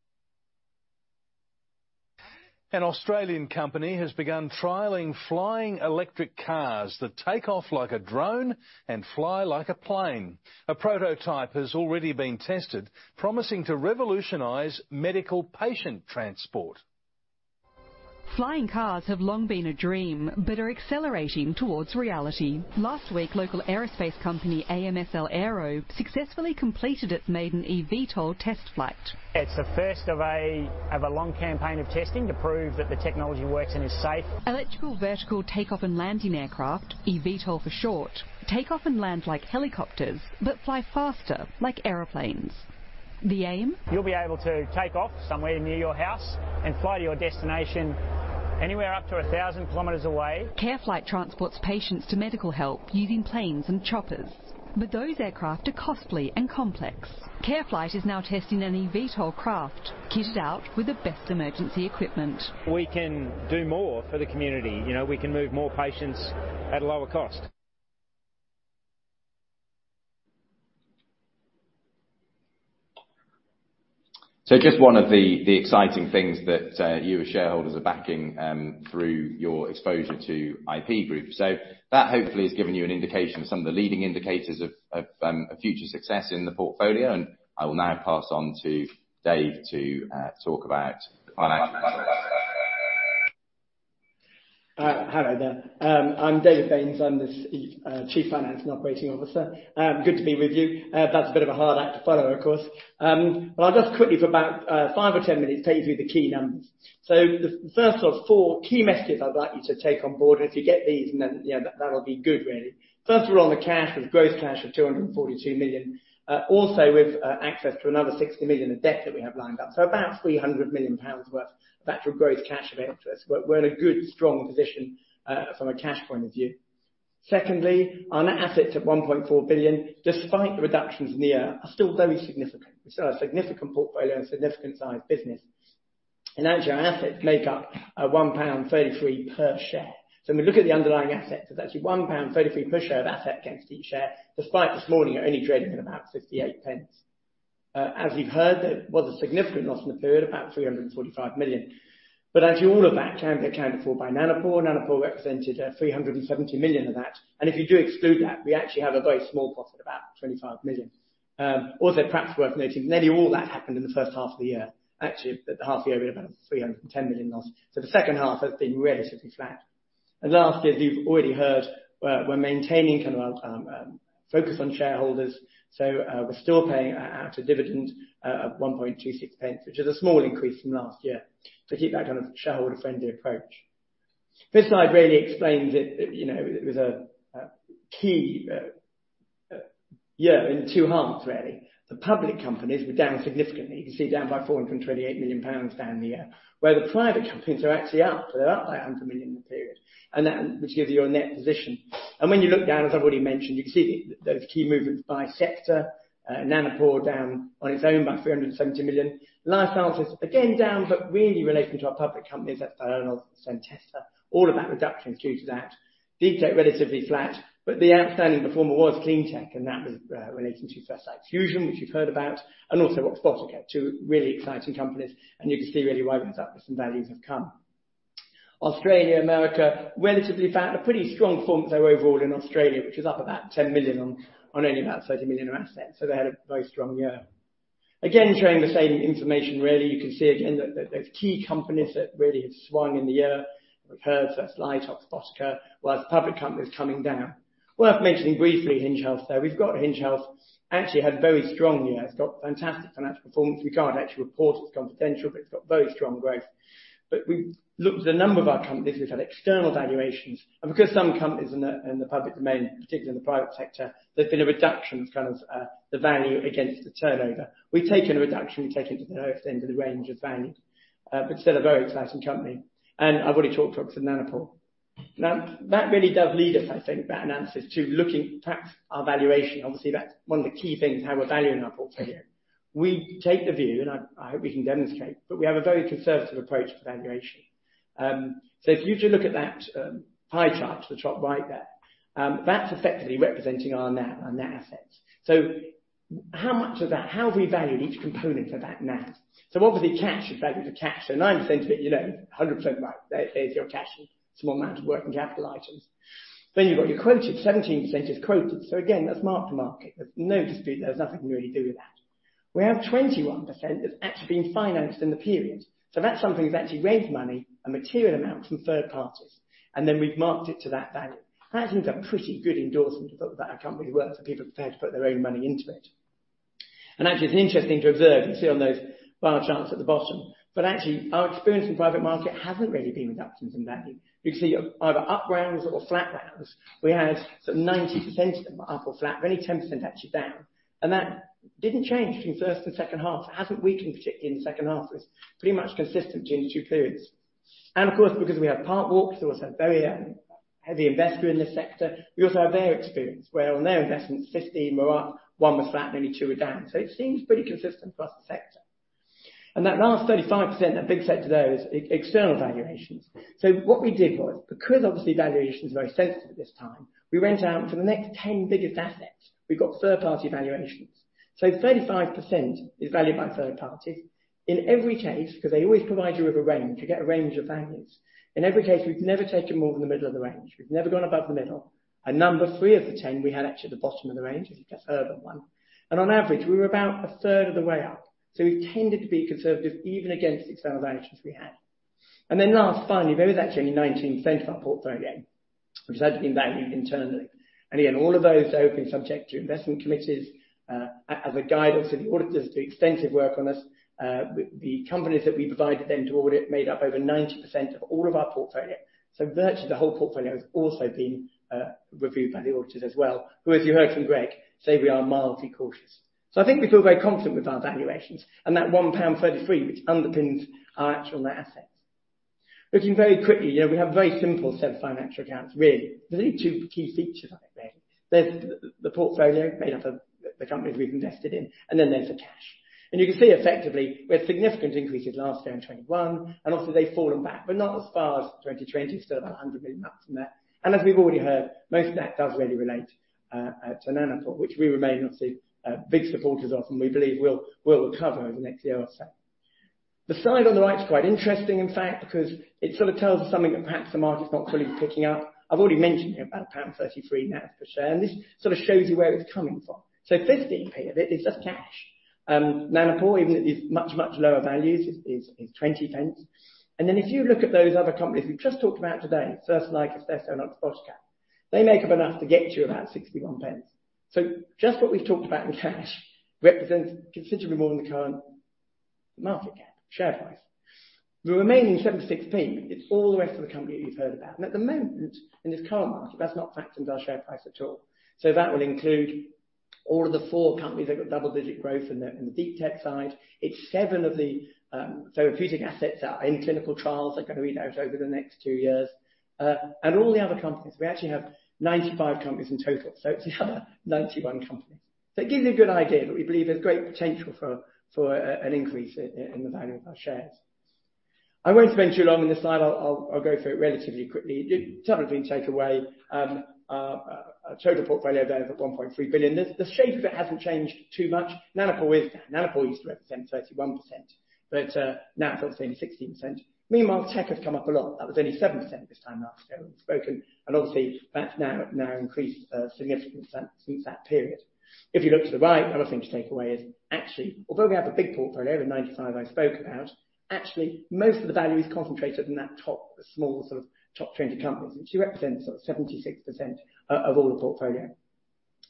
An Australian company has begun trialing flying electric cars that take off like a drone and fly like a plane. A prototype has already been tested, promising to revolutionize medical patient transport. Flying cars have long been a dream but are accelerating towards reality. Last week, local aerospace company, AMSL Aero, successfully completed its maiden eVTOL test flight. It's the first of a long campaign of testing to prove that the technology works and is safe. Electrical vertical takeoff and landing aircraft, eVTOL for short, take off and land like helicopters but fly faster like airplanes. The aim? You'll be able to take off somewhere near your house and fly to your destination anywhere up to 1,000 km away. CareFlight transports patients to medical help using planes and choppers, but those aircraft are costly and complex. CareFlight is now testing an eVTOL craft kitted out with the best emergency equipment. We can do more for the community. You know, we can move more patients at a lower cost. Just one of the exciting things that you as shareholders are backing through your exposure to IP Group. That hopefully has given you an indication of some of the leading indicators of future success in the portfolio. I will now pass on to Dave to talk about financial matters. Hello there. I'm David Baynes. I'm the Chief Finance and Operating Officer. Good to be with you. That's a bit of a hard act to follow, of course. I'll just quickly for about five or 10 minutes take you through the key numbers. The first of four key messages I'd like you to take on board, and if you get these, then, you know, that'll be good really. First of all, on the cash, there's gross cash of 242 million. Also with access to another 60 million of debt that we have lined up. About 300 million pounds worth of actual gross cash of interest. We're in a good, strong position from a cash point of view. Secondly, our net assets at 1.4 billion, despite the reductions in the year, are still very significant. We still have a significant portfolio and significant size business. In actual assets make up 1.33 pound per share. When we look at the underlying assets, there's actually 1.33 pound per share of asset against each share, despite this morning, it only trading at about 0.58. As you've heard, there was a significant loss in the period, about 345 million. Actually, all of that can be accounted for by Nanopore. Nanopore represented 370 million of that. If you do exclude that, we actually have a very small profit, about 25 million. Also perhaps worth noting, nearly all that happened in the first half of the year. Actually, the half year we had about 310 million loss. The second half has been relatively flat. Lastly, as you've already heard, we're maintaining kind of our focus on shareholders. We're still paying out a dividend of 1.26 pence, which is a small increase from last year, to keep that kind of shareholder-friendly approach. This slide really explains it, you know, it was a key year in two halves, really. The public companies were down significantly. You can see down by 428 million pounds down the year. The private companies are actually up. They're up by 100 million in the period. Which gives you a net position. When you look down, as I've already mentioned, you can see those key movements by sector. Nanopore down on its own by 370 million. Life Sciences again, down, but really relating to our public companies. That's Diaceutics, Centessa, all of that reduction is due to that. DeepTech, relatively flat, but the outstanding performer was Cleantech, and that was relating to First Light Fusion, which you've heard about, and also Oxbotica, two really exciting companies. You can see really why those values have come. Australia, America, relatively flat. A pretty strong form, though, overall in Australia, which was up about 10 million on only about 30 million of assets. They had a very strong year. Again, showing the same information really. You can see again that there's key companies that really have swung in the year. We've heard First Light, Oxbotica, whilst public companies coming down. Worth mentioning briefly, Hinge Health there. We've got Hinge Health, actually had a very strong year. It's got fantastic financial performance. We can't actually report it's confidential, but it's got very strong growth. We've looked at a number of our companies who've had external valuations, and because some companies in the public domain, particularly in the private sector, there's been a reduction of kind of the value against the turnover. We've taken a reduction. We've taken it to the lower end of the range of values, but still a very exciting company. I've already talked, obviously, Nanopore. That really does lead us, I think, that analysis, to looking perhaps our valuation. Obviously, that's one of the key things, how we're valuing our portfolio. We take the view, and I hope we can demonstrate, but we have a very conservative approach to valuation. If you just look at that pie chart to the top right there, that's effectively representing our net assets. How have we valued each component of that net? Obviously, cash is valued for cash. 9% of it, you know, 100% of that is your cash. Small amount of working capital items. You've got your quoted, 17% is quoted. Again, that's marked to market. There's no dispute, there's nothing we can really do with that. We have 21% that's actually been financed in the period. That's something we've actually raised money, a material amount, from third parties, and then we've marked it to that value. That seems a pretty good endorsement about a company's worth if people are prepared to put their own money into it. Actually, it's interesting to observe. You can see on those bar charts at the bottom. Actually, our experience in private market hasn't really been reductions in value. You can see either up rounds or flat rounds. We had some 90% of them are up or flat, really 10% actually down. That didn't change between first and second half. It hasn't weakened, particularly in the second half. It's pretty much consistent during the two periods. Of course, because we have Parkwalk, who are also a very heavy investor in this sector, we also have their experience, where on their investments, 15 were up, one was flat, and only two were down. It seems pretty consistent across the sector. That last 35%, that big sector there is e-external valuations. What we did was, because obviously valuation is very sensitive at this time, we went out and for the next 10 biggest assets, we got third-party valuations. 35% is valued by third parties. In every case, because they always provide you with a range, you get a range of values. In every case, we've never taken more than the middle of the range. We've never gone above the middle. Number three of the 10, we had actually the bottom of the range, as you just heard on one. On average, we were about a third of the way up. We tended to be conservative even against external valuations we had. Then last, finally, there is actually 19% of our portfolio which has actually been valued internally. Again, all of those are open subject to investment committees, as a guide. Obviously, the auditor does do extensive work on this. The companies that we provided them to audit made up over 90% of all of our portfolio. Virtually the whole portfolio has also been reviewed by the auditors as well, who, as you heard from Greg, say we are mildly cautious. I think we feel very confident with our valuations and that 1.33 pound, which underpins our actual net assets. Looking very quickly, you know, we have a very simple set of financial accounts, really. There's only two key features on it, really. There's the portfolio made up of the companies we've invested in, and then there's the cash. You can see effectively, we had significant increases last year in 2021, and obviously they've fallen back, but not as far as the 2020. Still 100 million up from that. As we've already heard, most of that does really relate to Nanopore, which we remain obviously big supporters of, and we believe will recover over the next year or so. The slide on the right is quite interesting, in fact, because it sort of tells us something that perhaps the market's not fully picking up. I've already mentioned about pound 1.33 net per share, this sort of shows you where it's coming from. 0.15 of it is just cash. Nanopore, even at these much lower values, is 0.20. If you look at those other companies we've just talked about today, First Light, Istesso, and Oxbotica, they make up enough to get you about 0.61. Just what we've talked about in cash represents considerably more than the current market cap, share price. The remaining 76p, it's all the rest of the company that you've heard about. At the moment, in this current market, that's not factored into our share price at all. That will include all of the four companies have got double-digit growth in the DeepTech side. It's seven of the therapeutic assets that are in clinical trials are gonna be out over the next two years. All the other companies, we actually have 95 companies in total, so it's the other 91 companies. It gives you a good idea, but we believe there's great potential for an increase in the value of our shares. I won't spend too long on this slide. I'll go through it relatively quickly. You certainly take away our total portfolio there of 1.3 billion. The shape of it hasn't changed too much. Nanopore used to represent 31%, but now it represents 16%. Meanwhile, tech has come up a lot. That was only 7% this time last year when we've spoken, and obviously, that's now increased a significant % since that period. If you look to the right, another thing to take away is actually, although we have a big portfolio of 95 I spoke about, actually, most of the value is concentrated in that top, small sort of top 20 companies, which represents 76% of all the portfolio.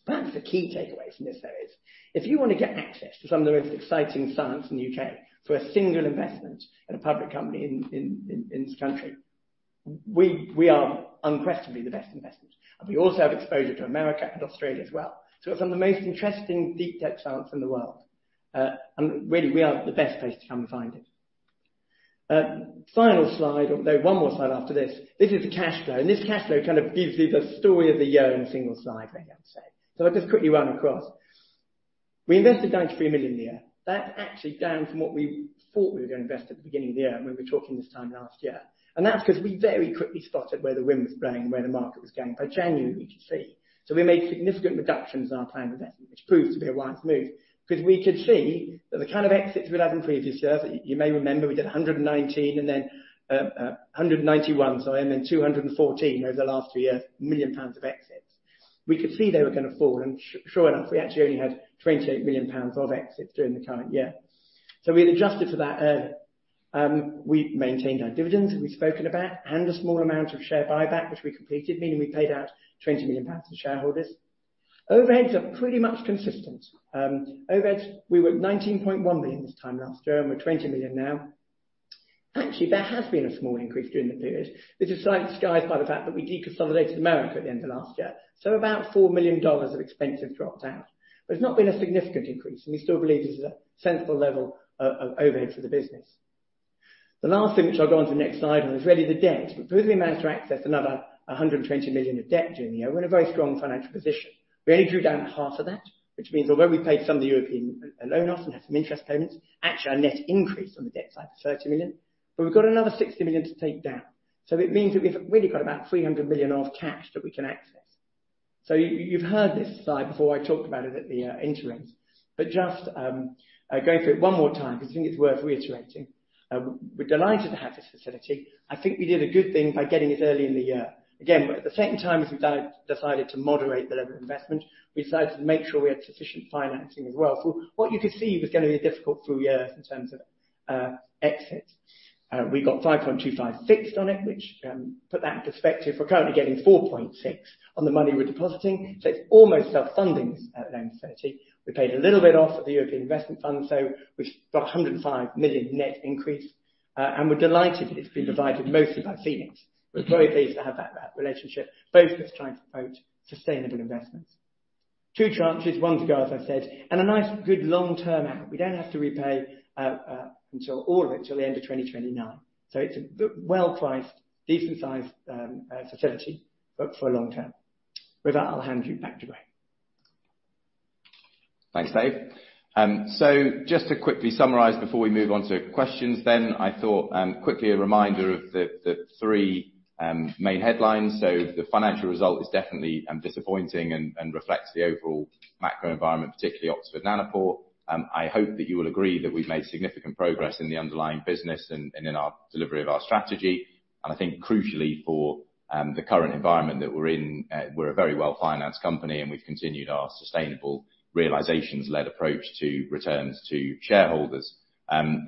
Perhaps the key takeaway from this though is if you wanna get access to some of the most exciting science in the U.K. through a single investment in a public company in, in this country, we are unquestionably the best investment. We also have exposure to America and Australia as well. Some of the most interesting DeepTech science in the world, and really, we are the best place to come and find it. Final slide, although one more slide after this. This is the cash flow, and this cash flow kind of gives you the story of the year in a single slide, I guess. I'll just quickly run across. We invested 93 million a year. That's actually down from what we thought we were gonna invest at the beginning of the year when we were talking this time last year. That's 'cause we very quickly spotted where the wind was blowing, where the market was going. By January, we could see. We made significant reductions in our planned investment, which proved to be a wise move, 'cause we could see that the kind of exits we'd had in previous years, you may remember we did 119 million and then, 191 million, sorry, and then 214 million over the last three years of exits. We could see they were gonna fall, and sure enough, we actually only had 28 million pounds of exits during the current year. We had adjusted for that early. We maintained our dividends, as we've spoken about, and a small amount of share buyback, which we completed, meaning we paid out 20 million pounds to shareholders. Overheads are pretty much consistent. Overheads, we were at 19.1 million this time last year, and we're 20 million now. Actually, there has been a small increase during the period, which is slightly disguised by the fact that we deconsolidated America at the end of last year. About $4 million of expense have dropped out. There's not been a significant increase, and we still believe this is a sensible level of overhead for the business. The last thing, which I'll go on to the next slide, was really the debt. We've managed to access another 120 million of debt during the year. We're in a very strong financial position. We only drew down half of that, which means although we paid some of the European loan off and had some interest payments, actually our net increase on the debt side was 30 million. We've got another 60 million to take down. It means that we've really got about 300 million of cash that we can access. You've heard this slide before. I talked about it at the interims, but just going through it one more time because I think it's worth reiterating. We're delighted to have this facility. I think we did a good thing by getting it early in the year. Again, at the same time as we decided to moderate the level of investment, we decided to make sure we had sufficient financing as well. What you could see was gonna be a difficult full year in terms of exits. We got 5.25 fixed on it, which put that in perspective, we're currently getting 4.6 on the money we're depositing, so it's almost self-funding, this loan facility. We paid a little bit off of the European Investment Fund, so we've got 105 million net increase, and we're delighted that it's been provided mostly by Phoenix. We're very pleased to have that relationship, both of us trying to promote sustainable investments. Two tranches, one to go, as I said, and a nice, good long-term out. We don't have to repay until all of it till the end of 2029. It's a well-priced, decent-sized facility, but for long term. With that, I'll hand you back to Graham. Thanks, Dave. Just to quickly summarize before we move on to questions then, I thought, quickly a reminder of the three main headlines. The financial result is definitely disappointing and reflects the overall macro environment, particularly Oxford Nanopore. I hope that you will agree that we've made significant progress in the underlying business and in our delivery of our strategy. I think crucially for the current environment that we're in, we're a very well-financed company, and we've continued our sustainable realizations-led approach to returns to shareholders.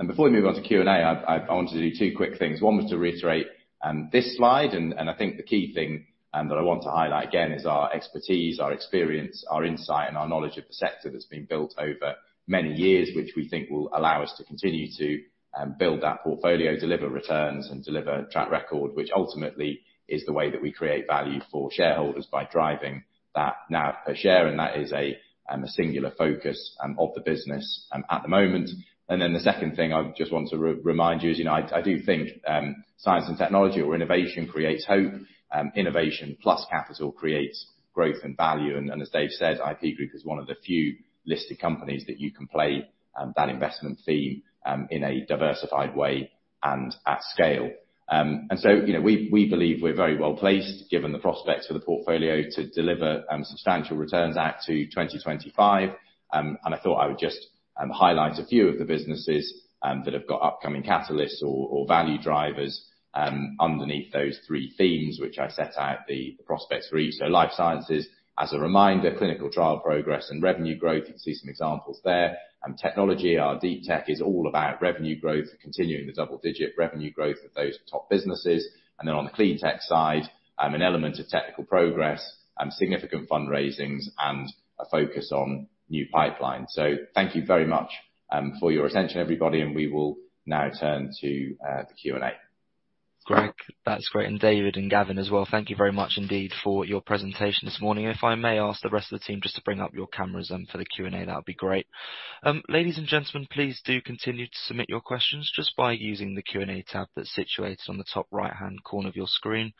Before we move on to Q&A, I want to do two quick things. One was to reiterate this slide. I think the key thing that I want to highlight again is our expertise, our experience, our insight, and our knowledge of the sector that's been built over many years, which we think will allow us to continue to build that portfolio, deliver returns, and deliver track record, which ultimately is the way that we create value for shareholders by driving that NAV per share. That is a singular focus of the business at the moment. The second thing I just want to remind you is, you know, I do think science and technology or innovation creates hope. Innovation plus capital creates growth and value. As Dave said, IP Group is one of the few listed companies that you can play that investment theme in a diversified way and at scale. You know, we believe we're very well-placed, given the prospects for the portfolio to deliver substantial returns out to 2025. I thought I would just highlight a few of the businesses that have got upcoming catalysts or value drivers underneath those three themes, which I set out the prospects for each. Life Sciences, as a reminder, clinical trial progress and revenue growth. You can see some examples there. Technology, our DeepTech, is all about revenue growth, continuing the double-digit revenue growth of those top businesses. Then on the cleantech side, an element of technical progress, significant fundraisings and a focus on new pipeline. Thank you very much for your attention, everybody, and we will now turn to the Q&A. Greg, that's great. David and Gavin as well, thank you very much indeed for your presentation this morning. If I may ask the rest of the team just to bring up your cameras for the Q&A, that would be great. Ladies and gentlemen, please do continue to submit your questions just by using the Q&A tab that's situated on the top right-hand corner of your screen.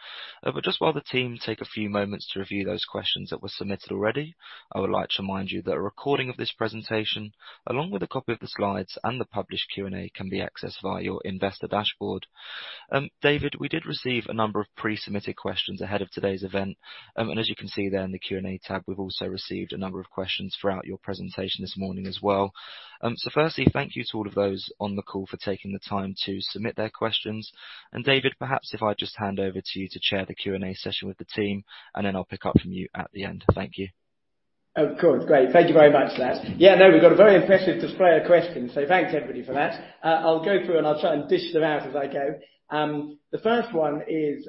Just while the team take a few moments to review those questions that were submitted already, I would like to remind you that a recording of this presentation, along with a copy of the slides and the published Q&A, can be accessed via your investor dashboard. David, we did receive a number of pre-submitted questions ahead of today's event. As you can see there in the Q&A tab, we've also received a number of questions throughout your presentation this morning as well. Firstly, thank you to all of those on the call for taking the time to submit their questions. David, perhaps if I just hand over to you to chair the Q&A session with the team, then I'll pick up from you at the end. Thank you. Of course. Great. Thank you very much for that. Yeah, no, we've got a very impressive display of questions, thanks everybody for that. I'll go through and I'll try and dish them out as I go. The first one is,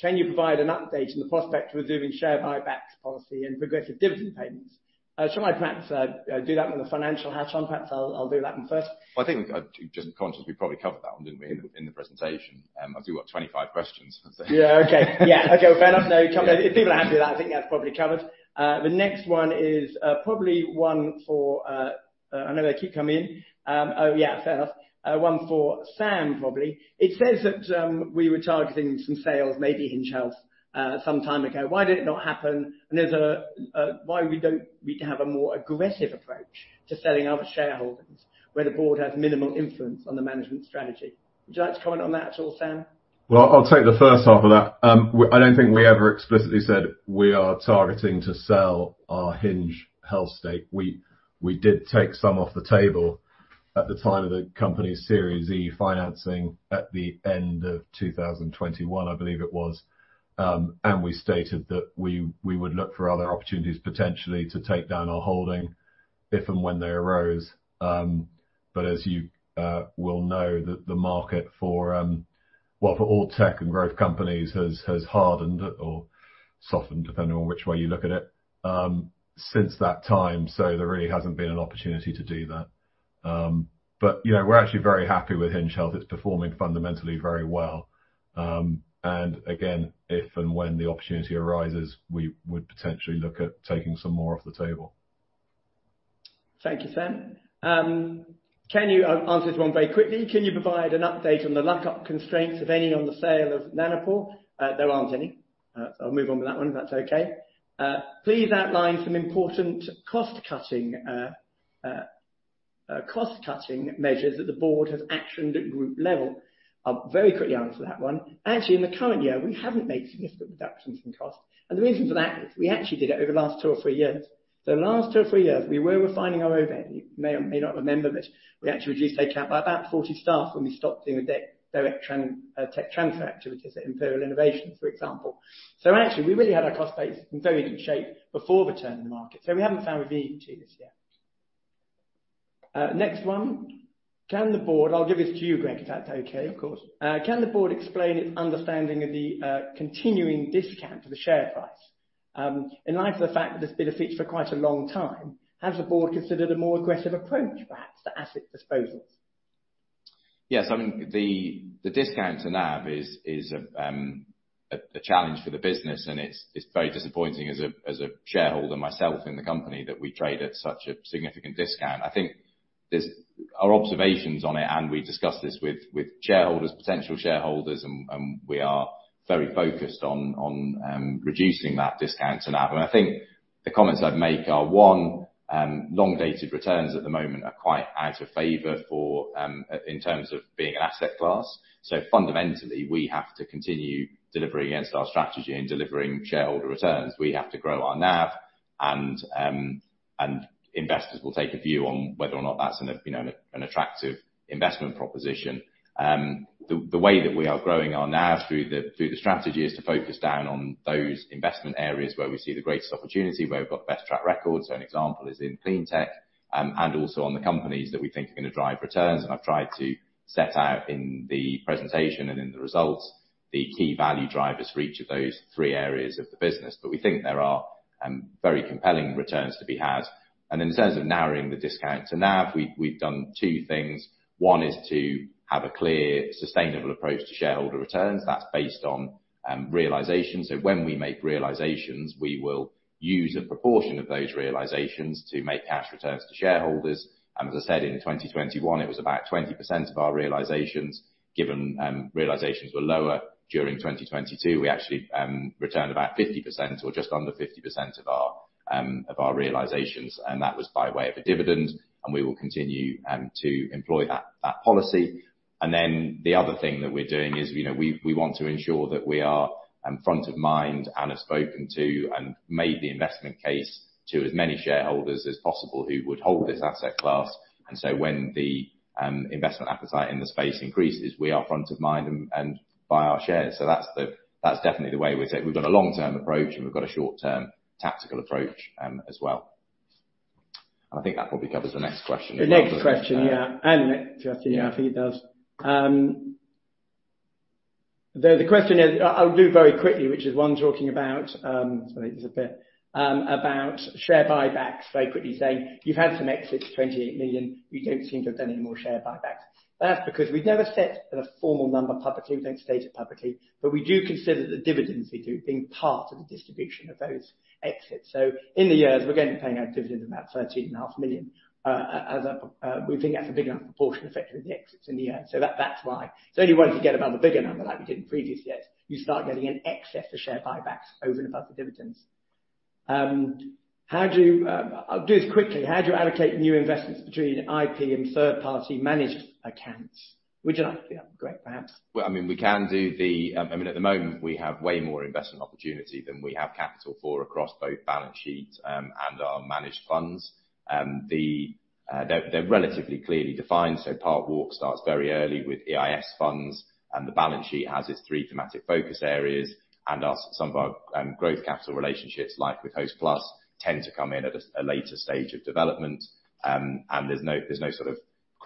can you provide an update on the prospect of resuming share buyback policy and progressive dividend payments? Shall I perhaps do that with the financial hat on, perhaps I'll do that one first. Well, I think just conscious we probably covered that one, didn't we, in the, in the presentation. As you got 25 questions. Yeah, okay. Yeah. Okay, fair enough. No, if people are happy with that, I think that's probably covered. The next one is probably one for, I know they keep coming in. Oh, yeah. Fair enough. One for Sam, probably. It says that we were targeting some sales, maybe Hinge Health, some time ago. Why did it not happen? There's a why we have a more aggressive approach to selling other shareholders where the board has minimal influence on the management strategy. Would you like to comment on that at all, Sam? Well, I'll take the first half of that. I don't think we ever explicitly said we are targeting to sell our Hinge Health state. We did take some off the table at the time of the company's Series E financing at the end of 2021, I believe it was. And we stated that we would look for other opportunities potentially to take down our holding if and when they arose. But as you will know the market for, well, for all tech and growth companies has hardened or softened, depending on which way you look at it, since that time. There really hasn't been an opportunity to do that. But, you know, we're actually very happy with Hinge Health. It's performing fundamentally very well. Again, if and when the opportunity arises, we would potentially look at taking some more off the table. Thank you, Sam. I'll answer this one very quickly. Can you provide an update on the lockup constraints of any on the sale of Nanopore? There aren't any. I'll move on with that one, if that's okay. Please outline some important cost-cutting measures that the board has actioned at group level. I'll very quickly answer that one. Actually, in the current year, we haven't made significant reductions in costs. The reason for that is we actually did it over the last two or three years. The last two or three years, we were refining our overhead. You may or may not remember, we actually reduced head count by about 40 staff when we stopped doing the tech transfer activities at Imperial Innovations, for example. actually, we really had our cost base in very good shape before the turn in the market. We haven't found we need to this year. Next one. I'll give this to you, Greg, if that's okay. Of course. Can the board explain its understanding of the continuing discount to the share price? In light of the fact that it's been a feature for quite a long time, has the board considered a more aggressive approach, perhaps, to asset disposals? Yes. I mean, the discount to NAV is a challenge for the business, and it's very disappointing as a shareholder myself in the company that we trade at such a significant discount. Our observations on it, and we've discussed this with shareholders, potential shareholders, and we are very focused on reducing that discount to NAV. I think the comments I'd make are, one, long-dated returns at the moment are quite out of favor for in terms of being an asset class. Fundamentally, we have to continue delivering against our strategy and delivering shareholder returns. We have to grow our NAV and investors will take a view on whether or not that's an attractive investment proposition. The way that we are growing our NAV through the strategy is to focus down on those investment areas where we see the greatest opportunity, where we've got the best track record, so an example is in Cleantech, and also on the companies that we think are gonna drive returns. I've tried to set out in the presentation and in the results the key value drivers for each of those three areas of the business. We think there are very compelling returns to be had. In terms of narrowing the discount to NAV, we've done two things. One is to have a clear, sustainable approach to shareholder returns. That's based on realization. When we make realizations, we will use a proportion of those realizations to make cash returns to shareholders. As I said, in 2021, it was about 20% of our realizations. Given, realizations were lower during 2022, we actually returned about 50% or just under 50% of our realizations, and that was by way of a dividend. We will continue to employ that policy. The other thing that we're doing is, you know, we want to ensure that we are in front of mind and have spoken to and made the investment case to as many shareholders as possible who would hold this asset class. When the investment appetite in the space increases, we are front of mind and buy our shares. That's definitely the way we're taking. We've got a long-term approach, and we've got a short-term tactical approach as well. I think that probably covers the next question as well. The next question, and the next question after he does. The question is, I'll do it very quickly, which is one talking about, Sorry, it's a bit, about share buybacks, very quickly saying you've had some exits, 28 million. We don't seem to have done any more share buybacks. That's because we've never set a formal number publicly. We don't state it publicly, but we do consider the dividends we do being part of the distribution of those exits. In the years we're going to be paying out dividends of about 13.5 million. As a, we think that's a big enough proportion effect with the exits in the air. That's why. Anyway, if you get above a bigger number like we did in previous years, you start getting an excess for share buybacks over and above the dividends. I'll do this quickly. How do you allocate new investments between IP and third-party managed accounts? Would you like to? Yeah, great. Perhaps. Well, I mean, we can do the, at the moment, we have way more investment opportunity than we have capital for across both balance sheets and our managed funds. They're relatively clearly defined. Parkwalk starts very early with EIS funds, and the balance sheet has its three thematic focus areas. As some of our growth capital relationships, like with Hostplus, tend to come in at a later stage of development. There's no sort of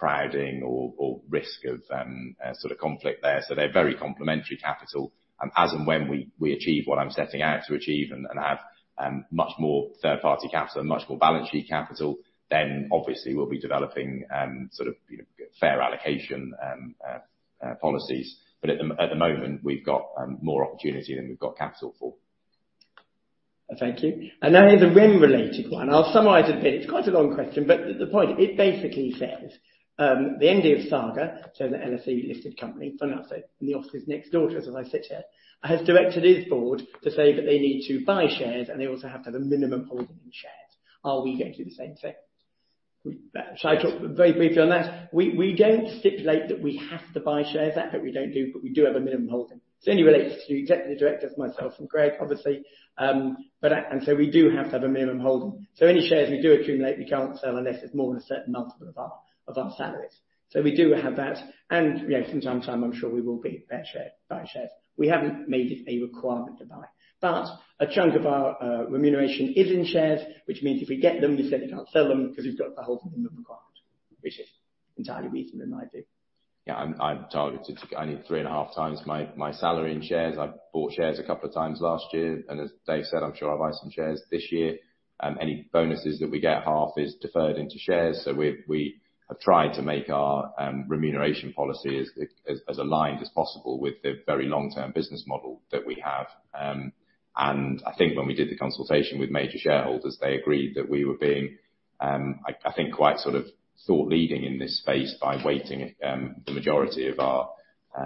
crowding or risk of a sort of conflict there. They're very complementary capital. As and when we achieve what I'm setting out to achieve and have much more third-party capital, much more balance sheet capital, then obviously we'll be developing sort of fair allocation policies. At the moment, we've got more opportunity than we've got capital for. Thank you. Now here's a RIM-related one. I'll summarize a bit. It's quite a long question, but the point it basically says, the ND of Saga, so the LSE-listed company, funnily enough, so in the office next door to us as I sit here, has directed its board to say that they need to buy shares, and they also have to have a minimum holding in shares. Are we going to do the same thing? Shall I talk very briefly on that? We don't stipulate that we have to buy shares. That bit we don't do, but we do have a minimum holding. It only relates to executive directors, myself and Greg, obviously. We do have to have a minimum holding. Any shares we do accumulate, we can't sell unless it's more than a certain multiple of our salaries. We do have that. Yeah, from time to time, I'm sure we will be buy shares. We haven't made it a requirement to buy. A chunk of our remuneration is in shares, which means if we get them, we've said we can't sell them because we've got the holding minimum requirement, which is entirely reasonable in my view. I'm targeted to only 3.5 times my salary in shares. I've bought shares a couple of times last year. As Dave said, I'm sure I'll buy some shares this year. Any bonuses that we get, half is deferred into shares. We have tried to make our remuneration policy as aligned as possible with the very long-term business model that we have. I think when we did the consultation with major shareholders, they agreed that we were being, I think quite sort of thought leading in this space by weighting the majority of our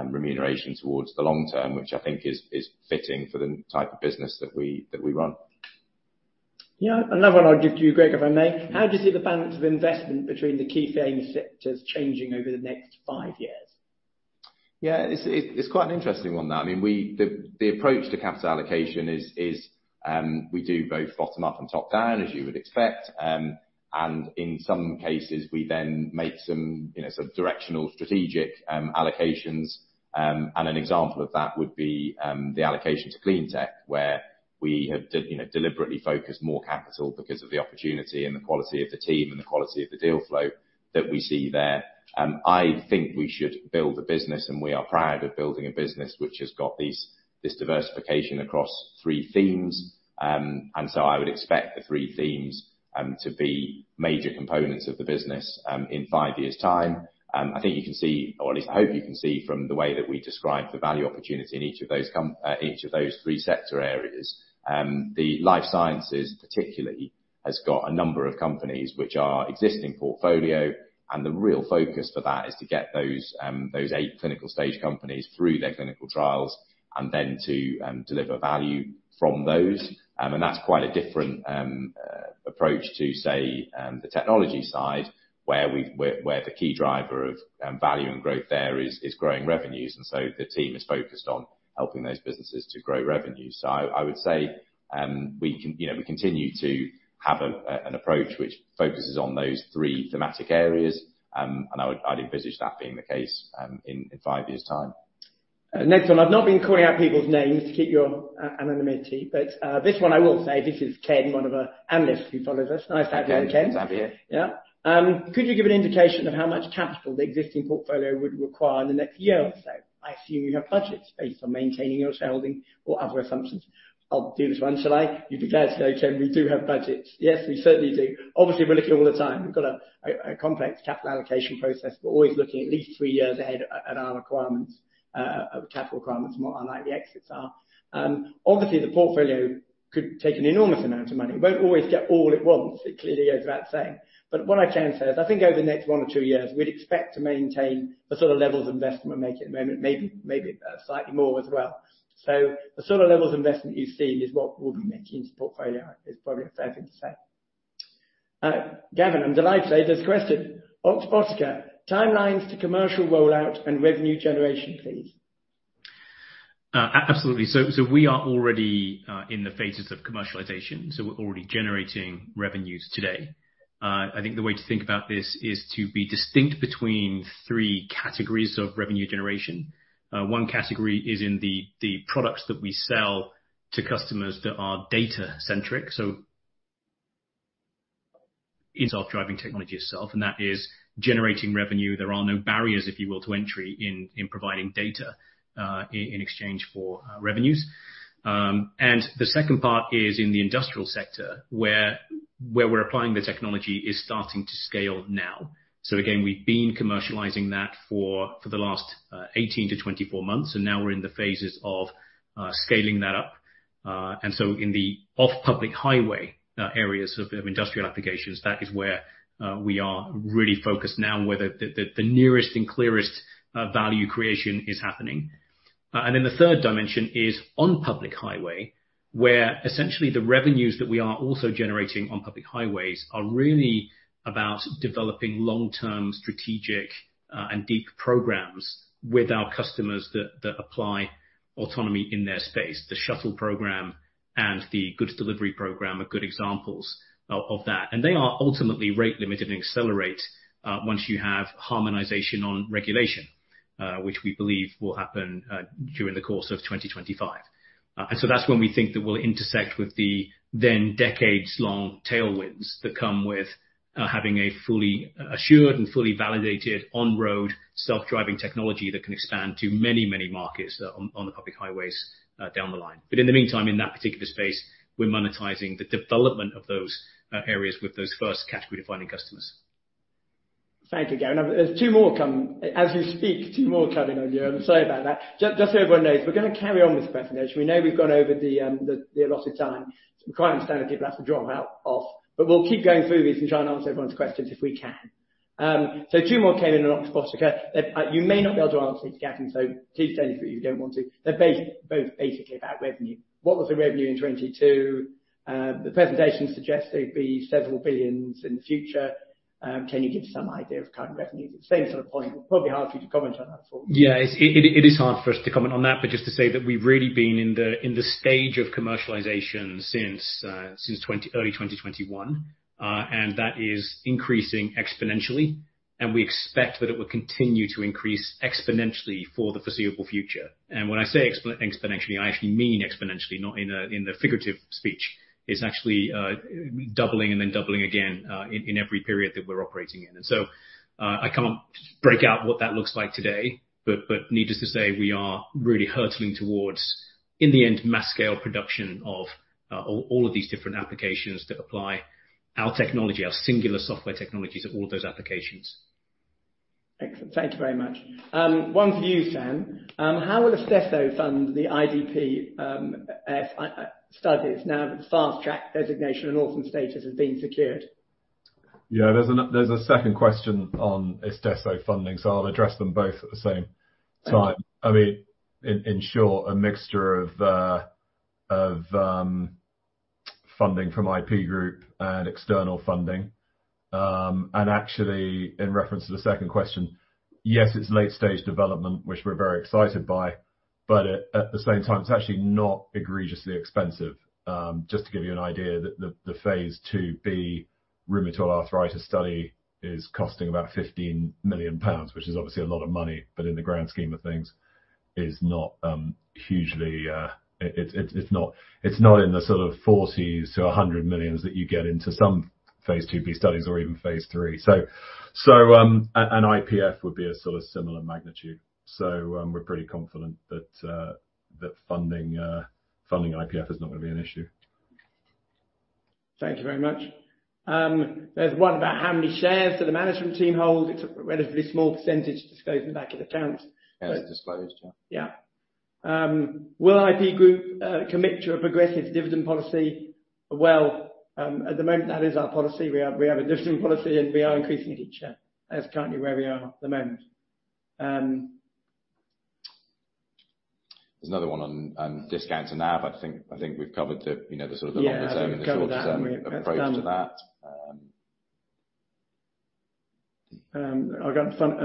remuneration towards the long term, which I think is fitting for the type of business that we run. Yeah. Another one I'll give to you, Greg, if I may. How do you see the balance of investment between the key theme sectors changing over the next five years? Yeah. It's quite an interesting one that. I mean, the approach to capital allocation is, we do both bottom up and top down, as you would expect. In some cases, we then make some, you know, sort of directional strategic allocations. An example of that would be the allocation to Cleantech, where we have, you know, deliberately focused more capital because of the opportunity and the quality of the team and the quality of the deal flow that we see there. I think we should build a business, and we are proud of building a business which has got this diversification across three themes. I would expect the three themes to be major components of the business in five years' time. I think you can see, or at least hope you can see from the way that we describe the value opportunity in each of those three sector areas. The Life Sciences, particularly, has got a number of companies which are existing portfolio, and the real focus for that is to get those eight clinical stage companies through their clinical trials and then to deliver value from those. That's quite a different approach to say the technology side, where the key driver of value and growth there is growing revenues. The team is focused on helping those businesses to grow revenue. I would say, you know, we continue to have an approach which focuses on those three thematic areas. I'd envisage that being the case, in five years' time. Next one. I've not been calling out people's names to keep your anonymity, this one I will say. This is Ken, one of our analysts who follows us. Nice to have you on, Ken. Ken. Nice to have you. Could you give an indication of how much capital the existing portfolio would require in the next one year or so? I assume you have budgets based on maintaining your shareholding or other assumptions. I'll do this one, shall I? You'd be glad to know, Ken, we do have budgets. Yes, we certainly do. We're looking all the time. We've got a complex capital allocation process. We're always looking at least three years ahead at our requirements, capital requirements, more than likely exits are. The portfolio could take an enormous amount of money. Won't always get all at once, it clearly goes without saying. What I can say is I think over the next one or two years, we'd expect to maintain the sort of levels of investment we're making at the moment, maybe slightly more as well. The sort of levels of investment you've seen is what we'll be making into the portfolio. It's probably a fair thing to say. Gavin, I'm delighted to say there's a question. Oxbotica timelines to commercial rollout and revenue generation, please. Absolutely. We are already in the phases of commercialization, we're already generating revenues today. I think the way to think about this is to be distinct between three categories of revenue generation. One category is in the products that we sell to customers that are data-centric. Our driving technology itself, and that is generating revenue. There are no barriers, if you will, to entry in providing data in exchange for revenues. The second part is in the industrial sector, where we're applying the technology is starting to scale now. Again, we've been commercializing that for the last 18-24 months, now we're in the phases of scaling that up. In the off public highway areas of industrial applications, that is where we are really focused now and where the nearest and clearest value creation is happening. The third dimension is on public highway, where essentially the revenues that we are also generating on public highways are really about developing long-term strategic and deep programs with our customers that apply autonomy in their space. The shuttle program and the goods delivery program are good examples of that. They are ultimately rate limited and accelerate once you have harmonization on regulation, which we believe will happen during the course of 2025. That's when we think that we'll intersect with the then decades long tailwinds that come with having a fully assured and fully validated on-road self-driving technology that can expand to many, many markets on the public highways down the line. In the meantime, in that particular space, we're monetizing the development of those areas with those first category-defining customers. Thank you, Gavin. There's two more coming. As you speak, two more coming on you. I'm sorry about that. Just so everyone knows, we're gonna carry on with the presentation. We know we've gone over the allotted time. We quite understand if people have to drop out off, but we'll keep going through these and try and answer everyone's questions if we can. Two more came in on Oxbotica. You may not be able to answer these, Gavin, please don't if you don't want to. They're both basically about revenue. What was the revenue in 22? The presentation suggests there'd be several billions in the future. Can you give some idea of current revenues? Same sort of point. It's probably hard for you to comment on that. Yeah. It is hard for us to comment on that, but just to say that we've really been in the stage of commercialization since early 2021. That is increasing exponentially, and we expect that it will continue to increase exponentially for the foreseeable future. When I say exponentially, I actually mean exponentially, not in a, in the figurative speech. It's actually doubling and then doubling again in every period that we're operating in. I can't break out what that looks like today, but needless to say, we are really hurtling towards, in the end, mass scale production of all of these different applications that apply our technology, our singular software technologies of all those applications. Excellent. Thank you very much. One for you, Sam. How will Istesso fund the IND studies now that the Fast Track designation and orphan status has been secured? There's a second question on Istesso funding. I'll address them both at the same time. I mean, in short, a mixture of funding from IP Group and external funding. Actually, in reference to the second question, yes, it's late stage development, which we're very excited by, but at the same time, it's actually not egregiously expensive. Just to give you an idea, the phase IIb rheumatoid arthritis study is costing about 15 million pounds, which is obviously a lot of money, but in the grand scheme of things is not hugely. It's not in the sort of 40 million-100 million that you get into some phase IIb studies or even phase III. An IPF would be a sort of similar magnitude. We're pretty confident that funding IPF is not gonna be an issue. Thank you very much. There's one about how many shares do the management team hold. It's a relatively small percentage disclosed in the back of the account. As disclosed, yeah. Yeah. Will IP Group commit to a progressive dividend policy? At the moment, that is our policy. We have a dividend policy and we are increasing it each year. That's currently where we are at the moment. There's another one on discount to NAV. I think we've covered it, you know, the sort of the longer term. Yeah. We've covered that when it comes down- The shorter term approach to that. I've got the front.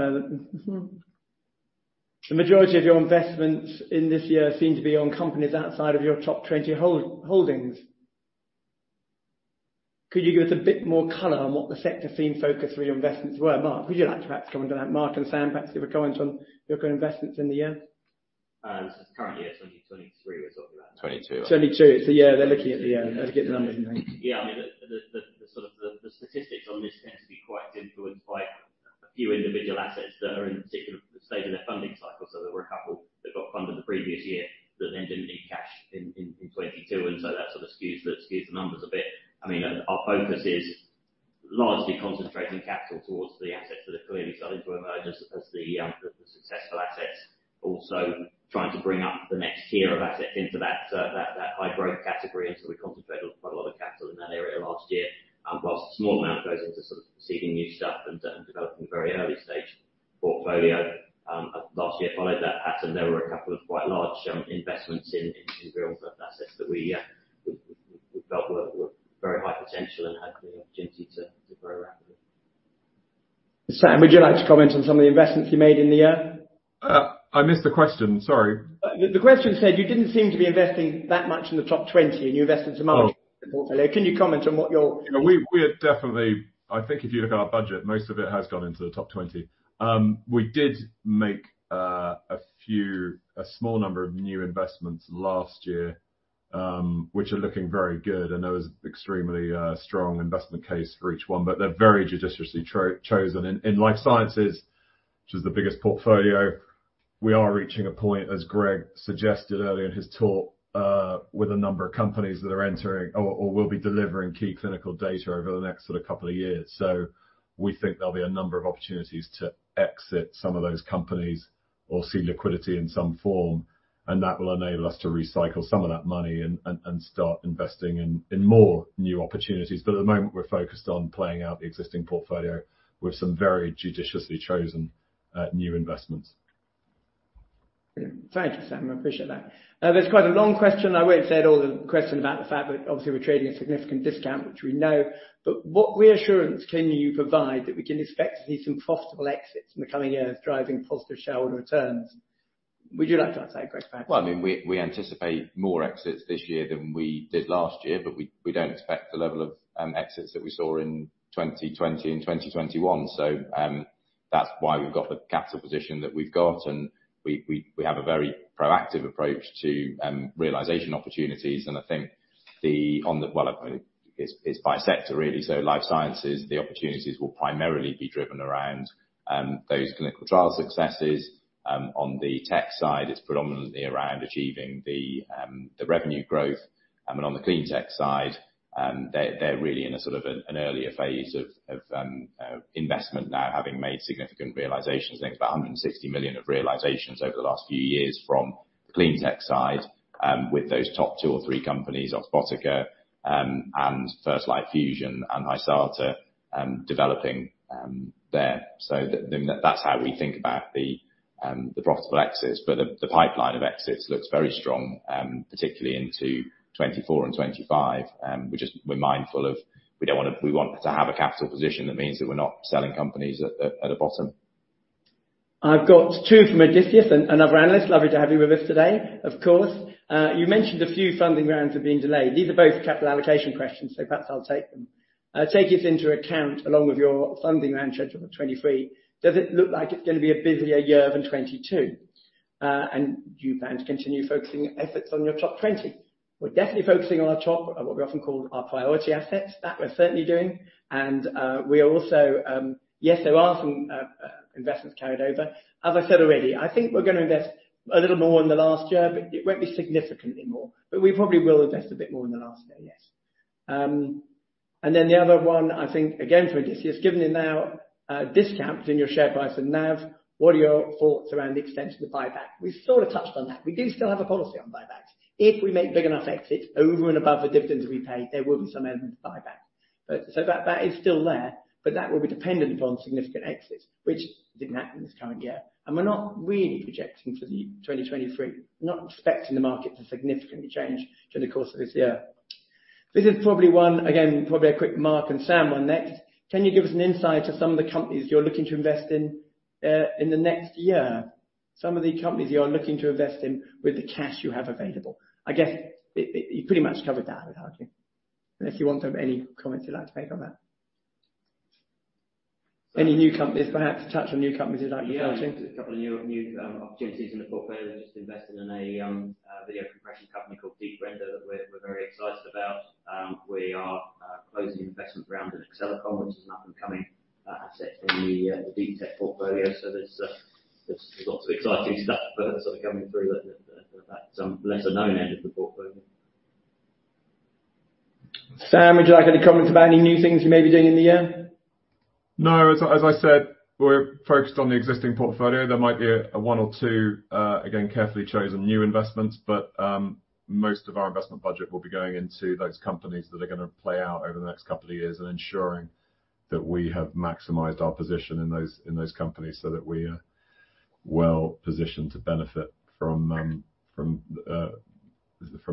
The majority of your investments in this year seem to be on companies outside of your top 20 holdings. Could you give us a bit more color on what the sector theme focus for your investments were? Mark, would you like to perhaps comment on that? Mark and Sam, perhaps you could comment on your current investments in the year. Currently it's 2023 we're talking about. 2022. 2022. Yeah, they're looking at the, let's get the numbers right. I mean, the, the sort of the statistics on this tend to be quite influenced by a few individual assets that are in a particular stage of their funding cycle. There were a couple that got funded the previous year that then didn't need cash in 2022, that sort of skews the, skews the numbers a bit. I mean, our focus is largely concentrating capital towards the assets that are clearly starting to emerge as the successful assets. Also trying to bring up the next tier of assets into that high growth category, we which are looking very good, and there was extremely strong investment case for each one, but they're very judiciously chosen. In Life Sciences, which is the biggest portfolio, we are reaching a point, as Greg suggested earlier in his talk, with a number of companies that are entering or will be delivering key clinical data over the next sort of couple of years. So we think there'll be a number of opportunities to exit some of those companies or see liquidity in some form, and that will enable us to recycle some of that money and start investing in more new opportunities. At the moment, we're focused on playing out the existing portfolio with some very judiciously chosen new investments. Brilliant. Thank you, Sam. I appreciate that. There's quite a long question. I won't say it all the question about the fact that obviously we're trading a significant discount, which we know, but what reassurance can you provide that we can expect to see some profitable exits in the coming years driving positive shareholder returns? Would you like to take that, Greg, perhaps? Well, I mean, we anticipate more exits this year than we did last year, but we don't expect the level of exits that we saw in 2020 and 2021. That's why we've got the capital position that we've got, and we have a very proactive approach to realization opportunities. I think it's by sector really. Life Sciences, the opportunities will primarily be driven around those clinical trial successes. On the tech side, it's predominantly around achieving the revenue growth. On the Cleantech side, they're really in a sort of an earlier phase of investment now having made significant realizations. I think it's about 160 million of realizations over the last few years from the Cleantech side, with those top two or three companies, Oxbotica, and First Light Fusion and Hysata, developing, there. That's how we think about the profitable exits, but the pipeline of exits looks very strong, particularly into 2024 and 2025. We're mindful of we want to have a capital position that means that we're not selling companies at a bottom. I've got two from Odysseas, another analyst. Lovely to have you with us today, of course. You mentioned a few funding rounds have been delayed. These are both capital allocation questions, so perhaps I'll take them. Taking into account, along with your funding round schedule for 2023, does it look like it's gonna be a busier year than 2022? Do you plan to continue focusing efforts on your top 20? We're definitely focusing on our top, what we often call our priority assets. That we're certainly doing. We are also, yes, there are some investments carried over. As I said already, I think we're gonna invest a little more than last year, but it won't be significantly more. We probably will invest a bit more than last year, yes. Then the other one, I think, again for Odysseas, given the now discount in your share price and NAV, what are your thoughts around the extension of the buyback? We sort of touched on that. We do still have a policy on buybacks. If we make big enough exits over and above the dividends we pay, there will be some element of buyback. So that is still there, but that will be dependent upon significant exits, which didn't happen this current year. We're not really projecting for 2023. We're not expecting the market to significantly change during the course of this year. This is probably one, again, probably a quick Mark and Sam one next. Can you give us an insight to some of the companies you're looking to invest in in the next year? Some of the companies you are looking to invest in with the cash you have available. I guess it you pretty much covered that, I would argue. If you want to have any comments you'd like to make on that. Any new companies, perhaps touch on new companies you'd like to invest in? Yeah. A couple of new opportunities in the portfolio. We just invested in a video compression company called Deep Render that we're very excited about. We are closing an investment round in Acceleron, which is an up-and-coming asset in the DeepTech portfolio. There's lots of exciting stuff sort of coming through at the fact some lesser-known end of the portfolio. Sam, would you like any comments about any new things you may be doing in the year? No. As I said, we're focused on the existing portfolio. There might be a one or two, again, carefully chosen new investments, but most of our investment budget will be going into those companies that are gonna play out over the next couple of years and ensuring that we have maximized our position in those companies so that we are well positioned to benefit from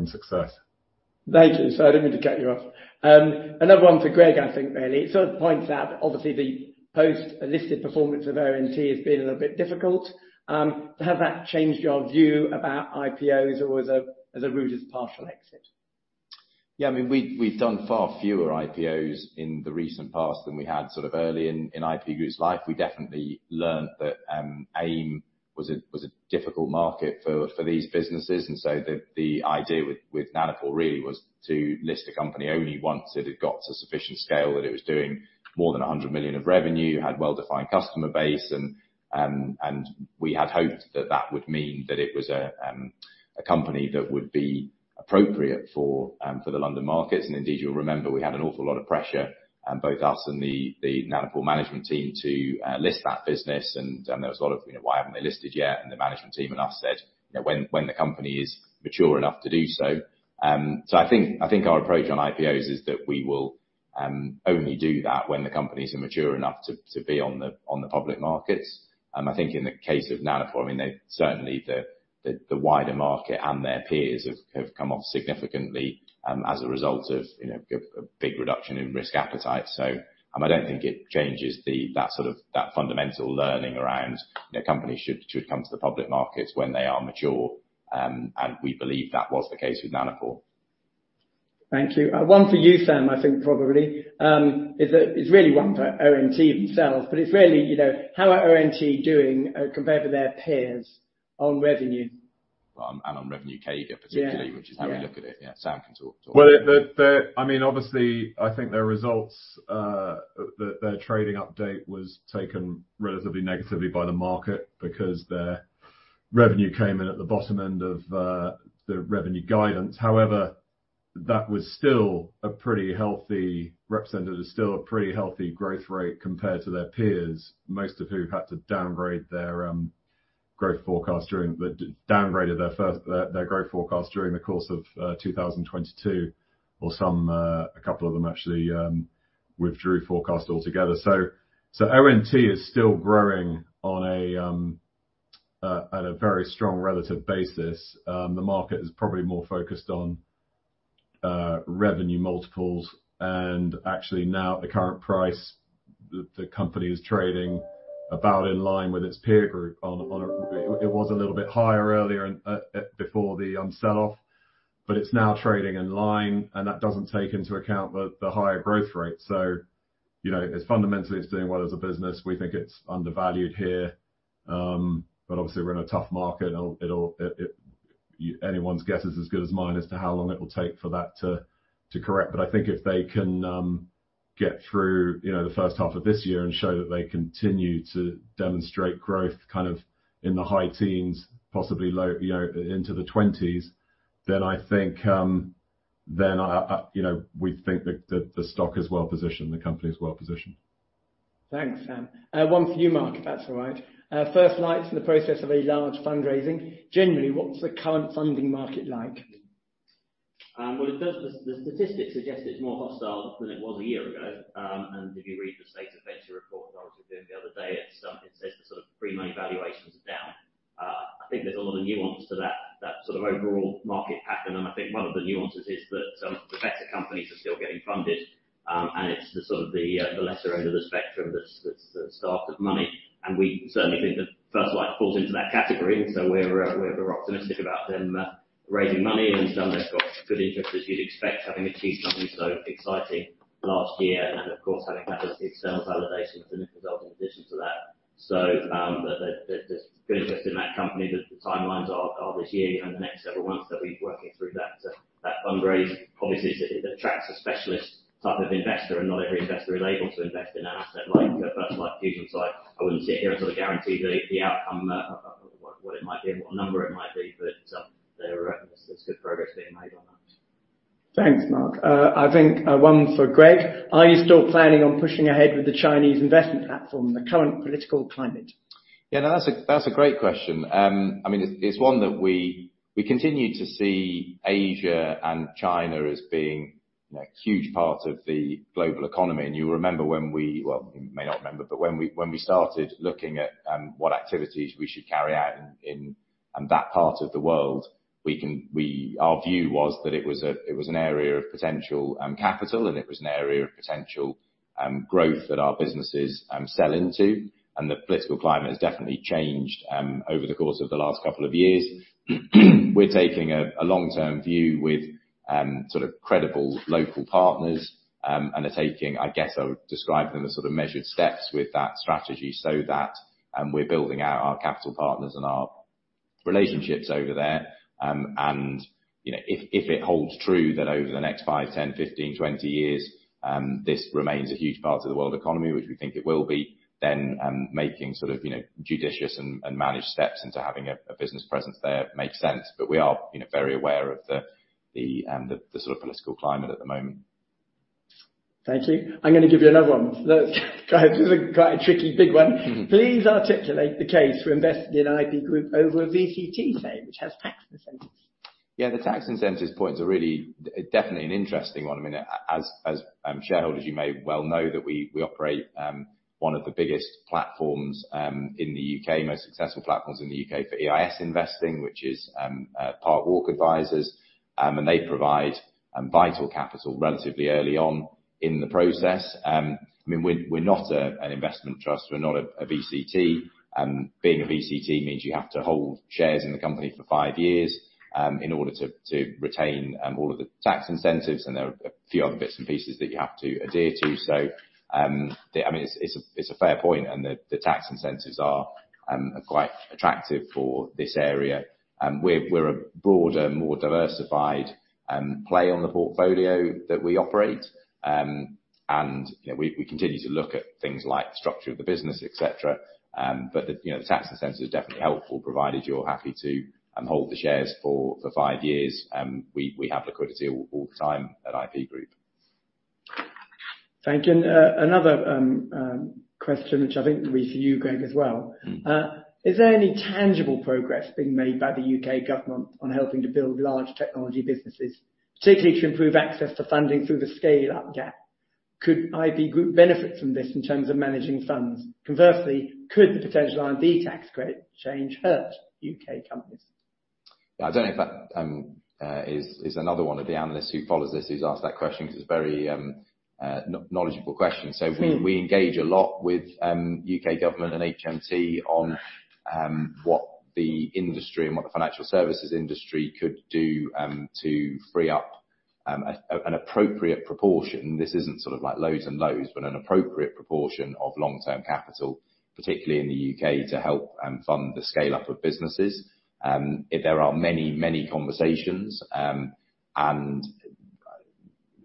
success. Thank you. Sorry, I didn't mean to cut you off. Another one to Greg, I think, really. It sort of points out obviously the post-listed performance of RNT has been a little bit difficult. Has that changed your view about IPOs or as a, as a route as partial exit? I mean, we've done far fewer IPOs in the recent past than we had sort of early in IP Group's life. We definitely learned that AIM was a difficult market for these businesses. The idea with Nanopore really was to list a company only once it had got to sufficient scale that it was doing more than 100 million of revenue, had well-defined customer base, and we had hoped that that would mean that it was a company that would be appropriate for the London markets. Indeed, you'll remember we had an awful lot of pressure, both us and the Nanopore management team to list that business. There was a lot of, you know, "Why haven't they listed yet?" The management team and us said, you know, when the company is mature enough to do so. I think, I think our approach on IPOs is that we will only do that when the companies are mature enough to be on the public markets. I think in the case of Nanopore, I mean, they certainly the wider market and their peers have come off significantly as a result of, you know, a big reduction in risk appetite. I don't think it changes the, that sort of, that fundamental learning around the company should come to the public markets when they are mature. We believe that was the case with Nanopore. Thank you. One for you, Sam, I think probably, it's really one for ONT themselves, but it's really, you know, how are ONT doing, compared to their peers on revenue? On revenue K particularly- Yeah. Which is how we look at it. Yeah, Sam can talk about that. Well, I mean, obviously, I think their results, their trading update was taken relatively negatively by the market because their revenue came in at the bottom end of the revenue guidance. However, that was still a pretty healthy growth rate compared to their peers, most of who've had to downgrade their growth forecast during the course of 2022, or some, a couple of them actually, withdrew forecast altogether. ONT is still growing on a very strong relative basis. The market is probably more focused on revenue multiples. Actually now at the current price, the company is trading about in line with its peer group on a. It was a little bit higher earlier and before the sell-off, but it's now trading in line, and that doesn't take into account the higher growth rate. You know, it's fundamentally, it's doing well as a business. We think it's undervalued here. Obviously, we're in a tough market. It'll, anyone's guess is as good as mine as to how long it will take for that to correct. I think if they can get through, you know, the first half of this year and show that they continue to demonstrate growth kind of in the high teens, possibly low, you know, into the 20s, then I think, then, you know, we think the stock is well-positioned, the company is well-positioned. Thanks, Sam. One for you, Mark, if that's all right. First Light's in the process of a large fundraising. Generally, what's the current funding market like? Well, the statistics suggest it's more hostile than it was a year ago. If you read the State of Venture report that I was reviewing the other day, it says the sort of pre-money valuations are down. I think there's a lot of nuance to that sort of overall market pattern, and I think one of the nuances is that some of the better companies are still getting funded, and it's the sort of the lesser end of the spectrum that's starved of money. We certainly think that First Light falls into that category. We're optimistic about them raising money and some have got good interest, as you'd expect, having achieved something so exciting last year and of course, having had a big sales validation as an resulting addition to that. There's good interest in that company. The timelines are this year and the next several months that we'll be working through that fundraise. Obviously, it attracts a specialist type of investor, and not every investor is able to invest in an asset like a First Light Fusion site. I wouldn't sit here and sort of guarantee the outcome of what it might be and what number it might be, but there is good progress being made on that. Thanks, Mark. I think, one for Greg. Are you still planning on pushing ahead with the Chinese investment platform, the current political climate? Yeah, that's a great question. I mean, it's one that we continue to see Asia and China as being, you know, a huge part of the global economy. You remember. Well, you may not remember, but when we started looking at what activities we should carry out in that part of the world, our view was that it was an area of potential capital, and it was an area of potential growth that our businesses sell into. The political climate has definitely changed over the course of the last couple of years. We're taking a long-term view with, sort of credible local partners, and are taking, I guess I would describe them as sort of measured steps with that strategy so that, we're building out our capital partners and our relationships over there. If, you know, if it holds true that over the next five, 10, 15, 20 years, this remains a huge part of the world economy, which we think it will be, then, making sort of, you know, judicious and managed steps into having a business presence there makes sense. We are, you know, very aware of the sort of political climate at the moment. Thank you. I'm gonna give you another one. Let's go ahead. This is quite a tricky big one. Mm-hmm. Please articulate the case for investing in IP Group over VCT save, which has tax incentives? Yeah, the tax incentives point is a really, definitely an interesting one. I mean, as shareholders, you may well know that we operate one of the biggest platforms in the U.K., most successful platforms in the U.K. for EIS investing, which is Parkwalk Advisors, and they provide vital capital relatively early on in the process. I mean, we're not a, an investment trust. We're not a VCT. Being a VCT means you have to hold shares in the company for five years in order to retain all of the tax incentives, and there are a few other bits and pieces that you have to adhere to. I mean, it's a, it's a fair point, and the tax incentives are quite attractive for this area. We're a broader, more diversified play on the portfolio that we operate. You know, we continue to look at things like structure of the business, et cetera. The, you know, the tax incentive is definitely helpful, provided you're happy to hold the shares for five years. We have liquidity all the time at IP Group. Thank you. Another question which I think will be for you, Greg, as well. Mm-hmm. Is there any tangible progress being made by the U.K. government on helping to build large technology businesses, particularly to improve access to funding through the scale-up gap? Could IP Group benefit from this in terms of managing funds? Conversely, could the potential R&D tax credit change hurt U.K. companies? I don't know if that is another one of the analysts who follows us who's asked that question, 'cause it's a very knowledgeable question. Mm-hmm. We engage a lot with U.K. government and HMT on what the industry and what the financial services industry could do to free up an appropriate proportion, this isn't sort of like loads and loads, but an appropriate proportion of long-term capital, particularly in the U.K., to help fund the scale-up of businesses. There are many, many conversations, and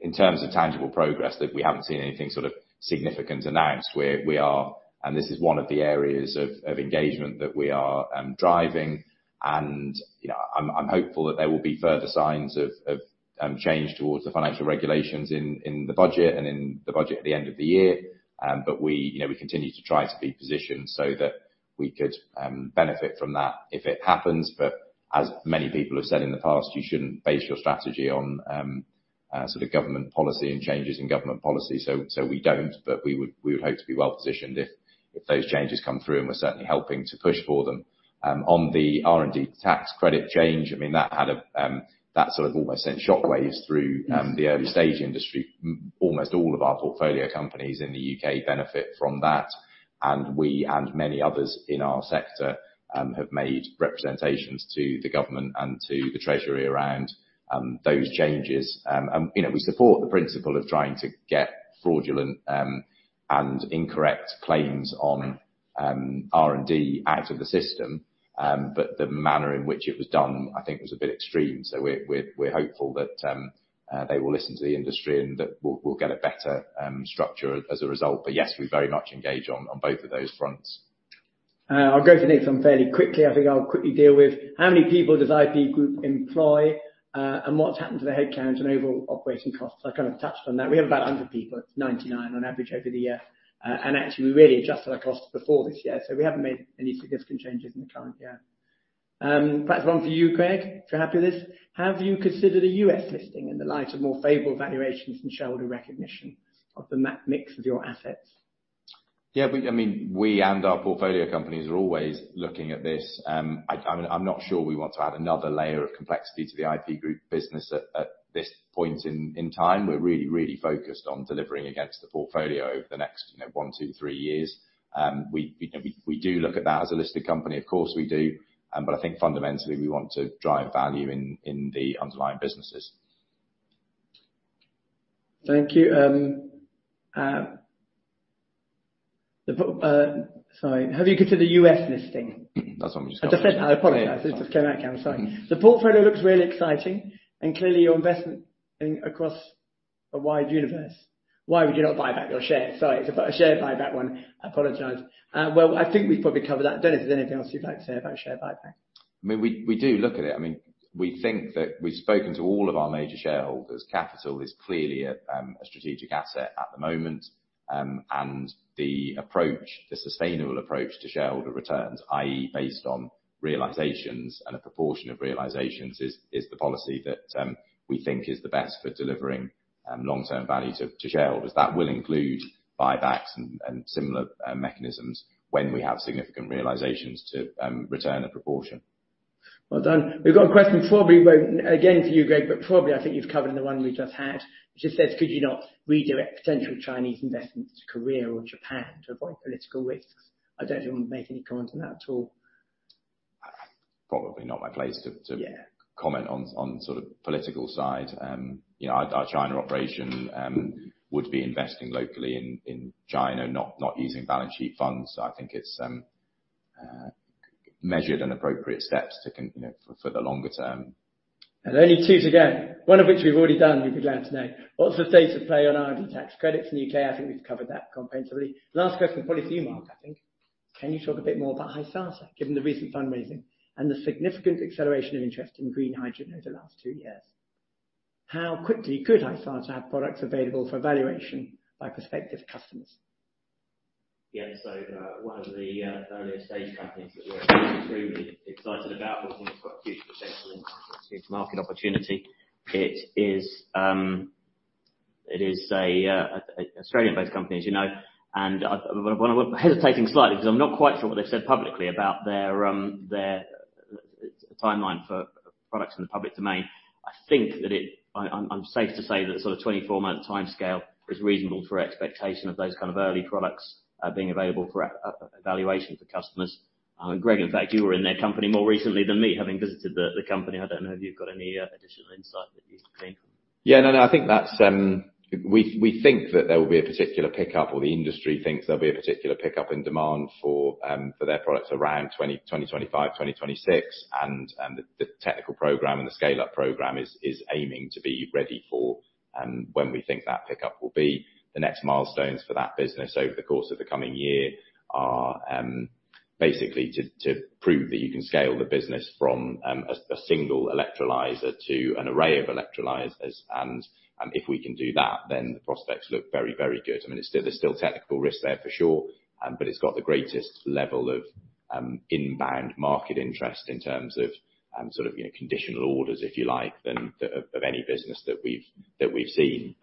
in terms of tangible progress that we haven't seen anything sort of significant announced. We are. This is one of the areas of engagement that we are driving, and, you know, I'm hopeful that there will be further signs of change towards the financial regulations in the budget and in the budget at the end of the year. We, you know, we continue to try to be positioned so that we could benefit from that if it happens. As many people have said in the past, you shouldn't base your strategy on, sort of government policy and changes in government policy, so we don't. We would hope to be well-positioned if those changes come through, and we're certainly helping to push for them. On the R&D tax credit change, I mean, that had a, that sort of almost sent shock waves through- Yes The early-stage industry. Almost all of our portfolio companies in the U.K. benefit from that, and we and many others in our sector have made representations to the government and to the Treasury around those changes. You know, we support the principle of trying to get fraudulent and incorrect claims on R&D out of the system, but the manner in which it was done, I think was a bit extreme. We're hopeful that they will listen to the industry and that we'll get a better structure as a result. Yes, we very much engage on both of those fronts. I'll go through these fairly quickly. I think I'll quickly deal with how many people does IP Group employ, and what's happened to the headcount and overall operating costs? I kind of touched on that. We have about 100 people. It's 99 on average over the year. Actually we really adjusted our costs before this year, so we haven't made any significant changes in the current year. Perhaps one for you, Greg, if you're happy with this. Have you considered a U.S. listing in the light of more favorable valuations and shareholder recognition of the mix of your assets? I mean, we and our portfolio companies are always looking at this. I'm not sure we want to add another layer of complexity to the IP Group business at this point in time. We're really focused on delivering against the portfolio over the next, you know, one, two, three years. We, you know, we do look at that as a listed company, of course we do. I think fundamentally we want to drive value in the underlying businesses. Thank you. Sorry. Have you considered U.S. listing? That's what I'm just- I just said that. I apologize. It just came out. Okay. I'm sorry. The portfolio looks really exciting and clearly you're investing across a wide universe. Why would you not buy back your shares? Sorry, it's a share buyback one. I apologize. Well, I think we've probably covered that. Don't know if there's anything else you'd like to say about share buyback. I mean, we do look at it. I mean, we think that we've spoken to all of our major shareholders. Capital is clearly a strategic asset at the moment. The approach, the sustainable approach to shareholder returns, i.e., based on realizations and a proportion of realizations is the policy that we think is the best for delivering long-term value to shareholders. That will include buybacks and similar mechanisms when we have significant realizations to return a proportion. Well done. We've got a question probably both, again for you, Greg, but probably I think you've covered the one we just had. Just says, could you not redirect potential Chinese investments to Korea or Japan to avoid political risks? I don't know if you want to make any comment on that at all. Probably not my place to. Yeah Comment on sort of political side. You know, our China operation, would be investing locally in China, not using balance sheet funds. I think it's measured and appropriate steps to you know, for the longer term. Only two to go, one of which we've already done, you'll be glad to know. What's the state of play on R&D tax credits in the U.K.? I think we've covered that comprehensively. Last question, probably for you, Mark, I think. Can you talk a bit more about Hysata, given the recent fundraising and the significant acceleration of interest in green hydrogen over the last two years? How quickly could Hysata have products available for evaluation by prospective customers? Yeah. One of the earlier stage companies that we're extremely excited about, we think it's got huge potential in terms of its market opportunity. It is, it is an Australian-based company, as you know, and, well, I'm hesitating slightly because I'm not quite sure what they've said publicly about their timeline for products in the public domain. I think that I'm safe to say that sort of 24-month timescale is reasonable for expectation of those kind of early products being available for evaluation for customers. Greg, in fact, you were in their company more recently than me, having visited the company. I don't know if you've got any additional insight that you can give. Yeah, no. I think that's. We think that there will be a particular pickup, or the industry thinks there'll be a particular pickup in demand for their products around 2025, 2026. The technical program and the scale-up program is aiming to be ready for when we think that pickup will be. The next milestones for that business over the course of the coming year are basically to prove that you can scale the business from a single electrolyzer to an array of electrolyzers. If we can do that, the prospects look very, very good. I mean, it's still, there's still technical risk there for sure, but it's got the greatest level of inbound market interest in terms of sort of, you know, conditional orders, if you like, than of any business that we've seen.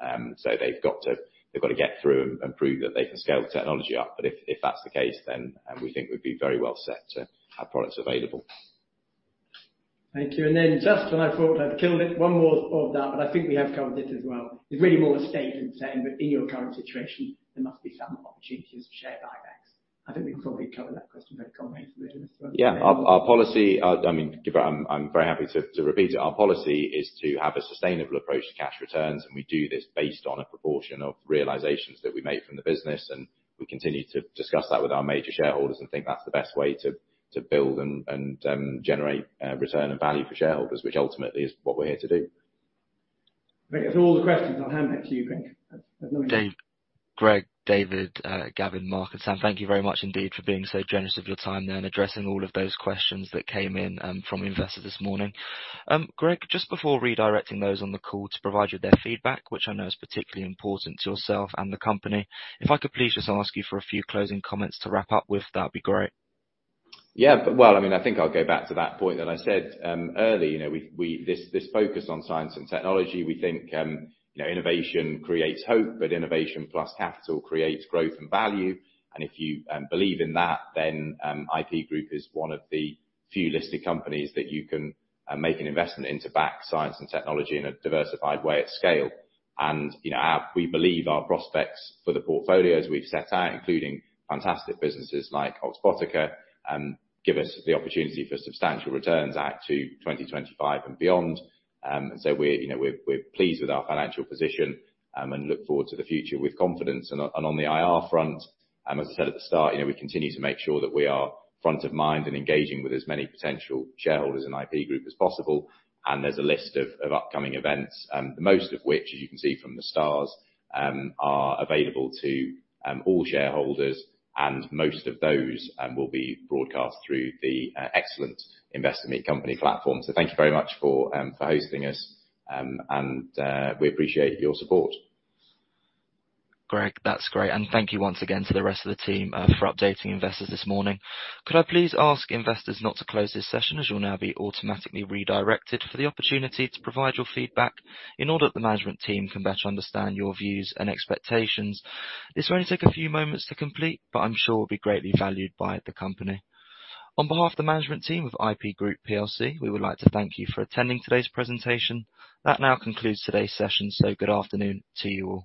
They've got to get through and prove that they can scale the technology up. If that's the case, then we think we'd be very well set to have products available. Thank you. Just when I thought I'd killed it, one more of that, I think we have covered it as well. It's really more of a statement saying that in your current situation, there must be some opportunities for share buybacks. I think we've probably covered that question, it can't make Yeah. Our policy, I mean, I'm very happy to repeat it. Our policy is to have a sustainable approach to cash returns, and we do this based on a proportion of realizations that we make from the business, and we continue to discuss that with our major shareholders and think that's the best way to build and generate return and value for shareholders, which ultimately is what we're here to do. I think that's all the questions. I'll hand back to you, Greg. That's. Dave, Greg, David, Gavin, Mark, and Sam, thank you very much indeed for being so generous with your time then, addressing all of those questions that came in from investors this morning. Greg, just before redirecting those on the call to provide you their feedback, which I know is particularly important to yourself and the company, if I could please just ask you for a few closing comments to wrap up with, that'd be great. Yeah. Well, I mean, I think I'll go back to that point that I said earlier. You know, we, this focus on science and technology, we think, you know, innovation creates hope, but innovation plus capital creates growth and value. If you believe in that, then IP Group is one of the few listed companies that you can make an investment into back science and technology in a diversified way at scale. You know, we believe our prospects for the portfolio as we've set out, including fantastic businesses like Oxbotica, give us the opportunity for substantial returns out to 2025 and beyond. We're, you know, we're pleased with our financial position and look forward to the future with confidence. On the IR front, as I said at the start, you know, we continue to make sure that we are front of mind and engaging with as many potential shareholders in IP Group as possible. There's a list of upcoming events, most of which, as you can see from the stars, are available to all shareholders and most of those will be broadcast through the excellent Investor Meet Company platform. Thank you very much for hosting us, and we appreciate your support. Greg, that's great. Thank you once again to the rest of the team for updating investors this morning. Could I please ask investors not to close this session as you'll now be automatically redirected for the opportunity to provide your feedback in order that the management team can better understand your views and expectations. This will only take a few moments to complete, but I'm sure will be greatly valued by the company. On behalf of the management team of IP Group plc, we would like to thank you for attending today's presentation. That now concludes today's session. Good afternoon to you all.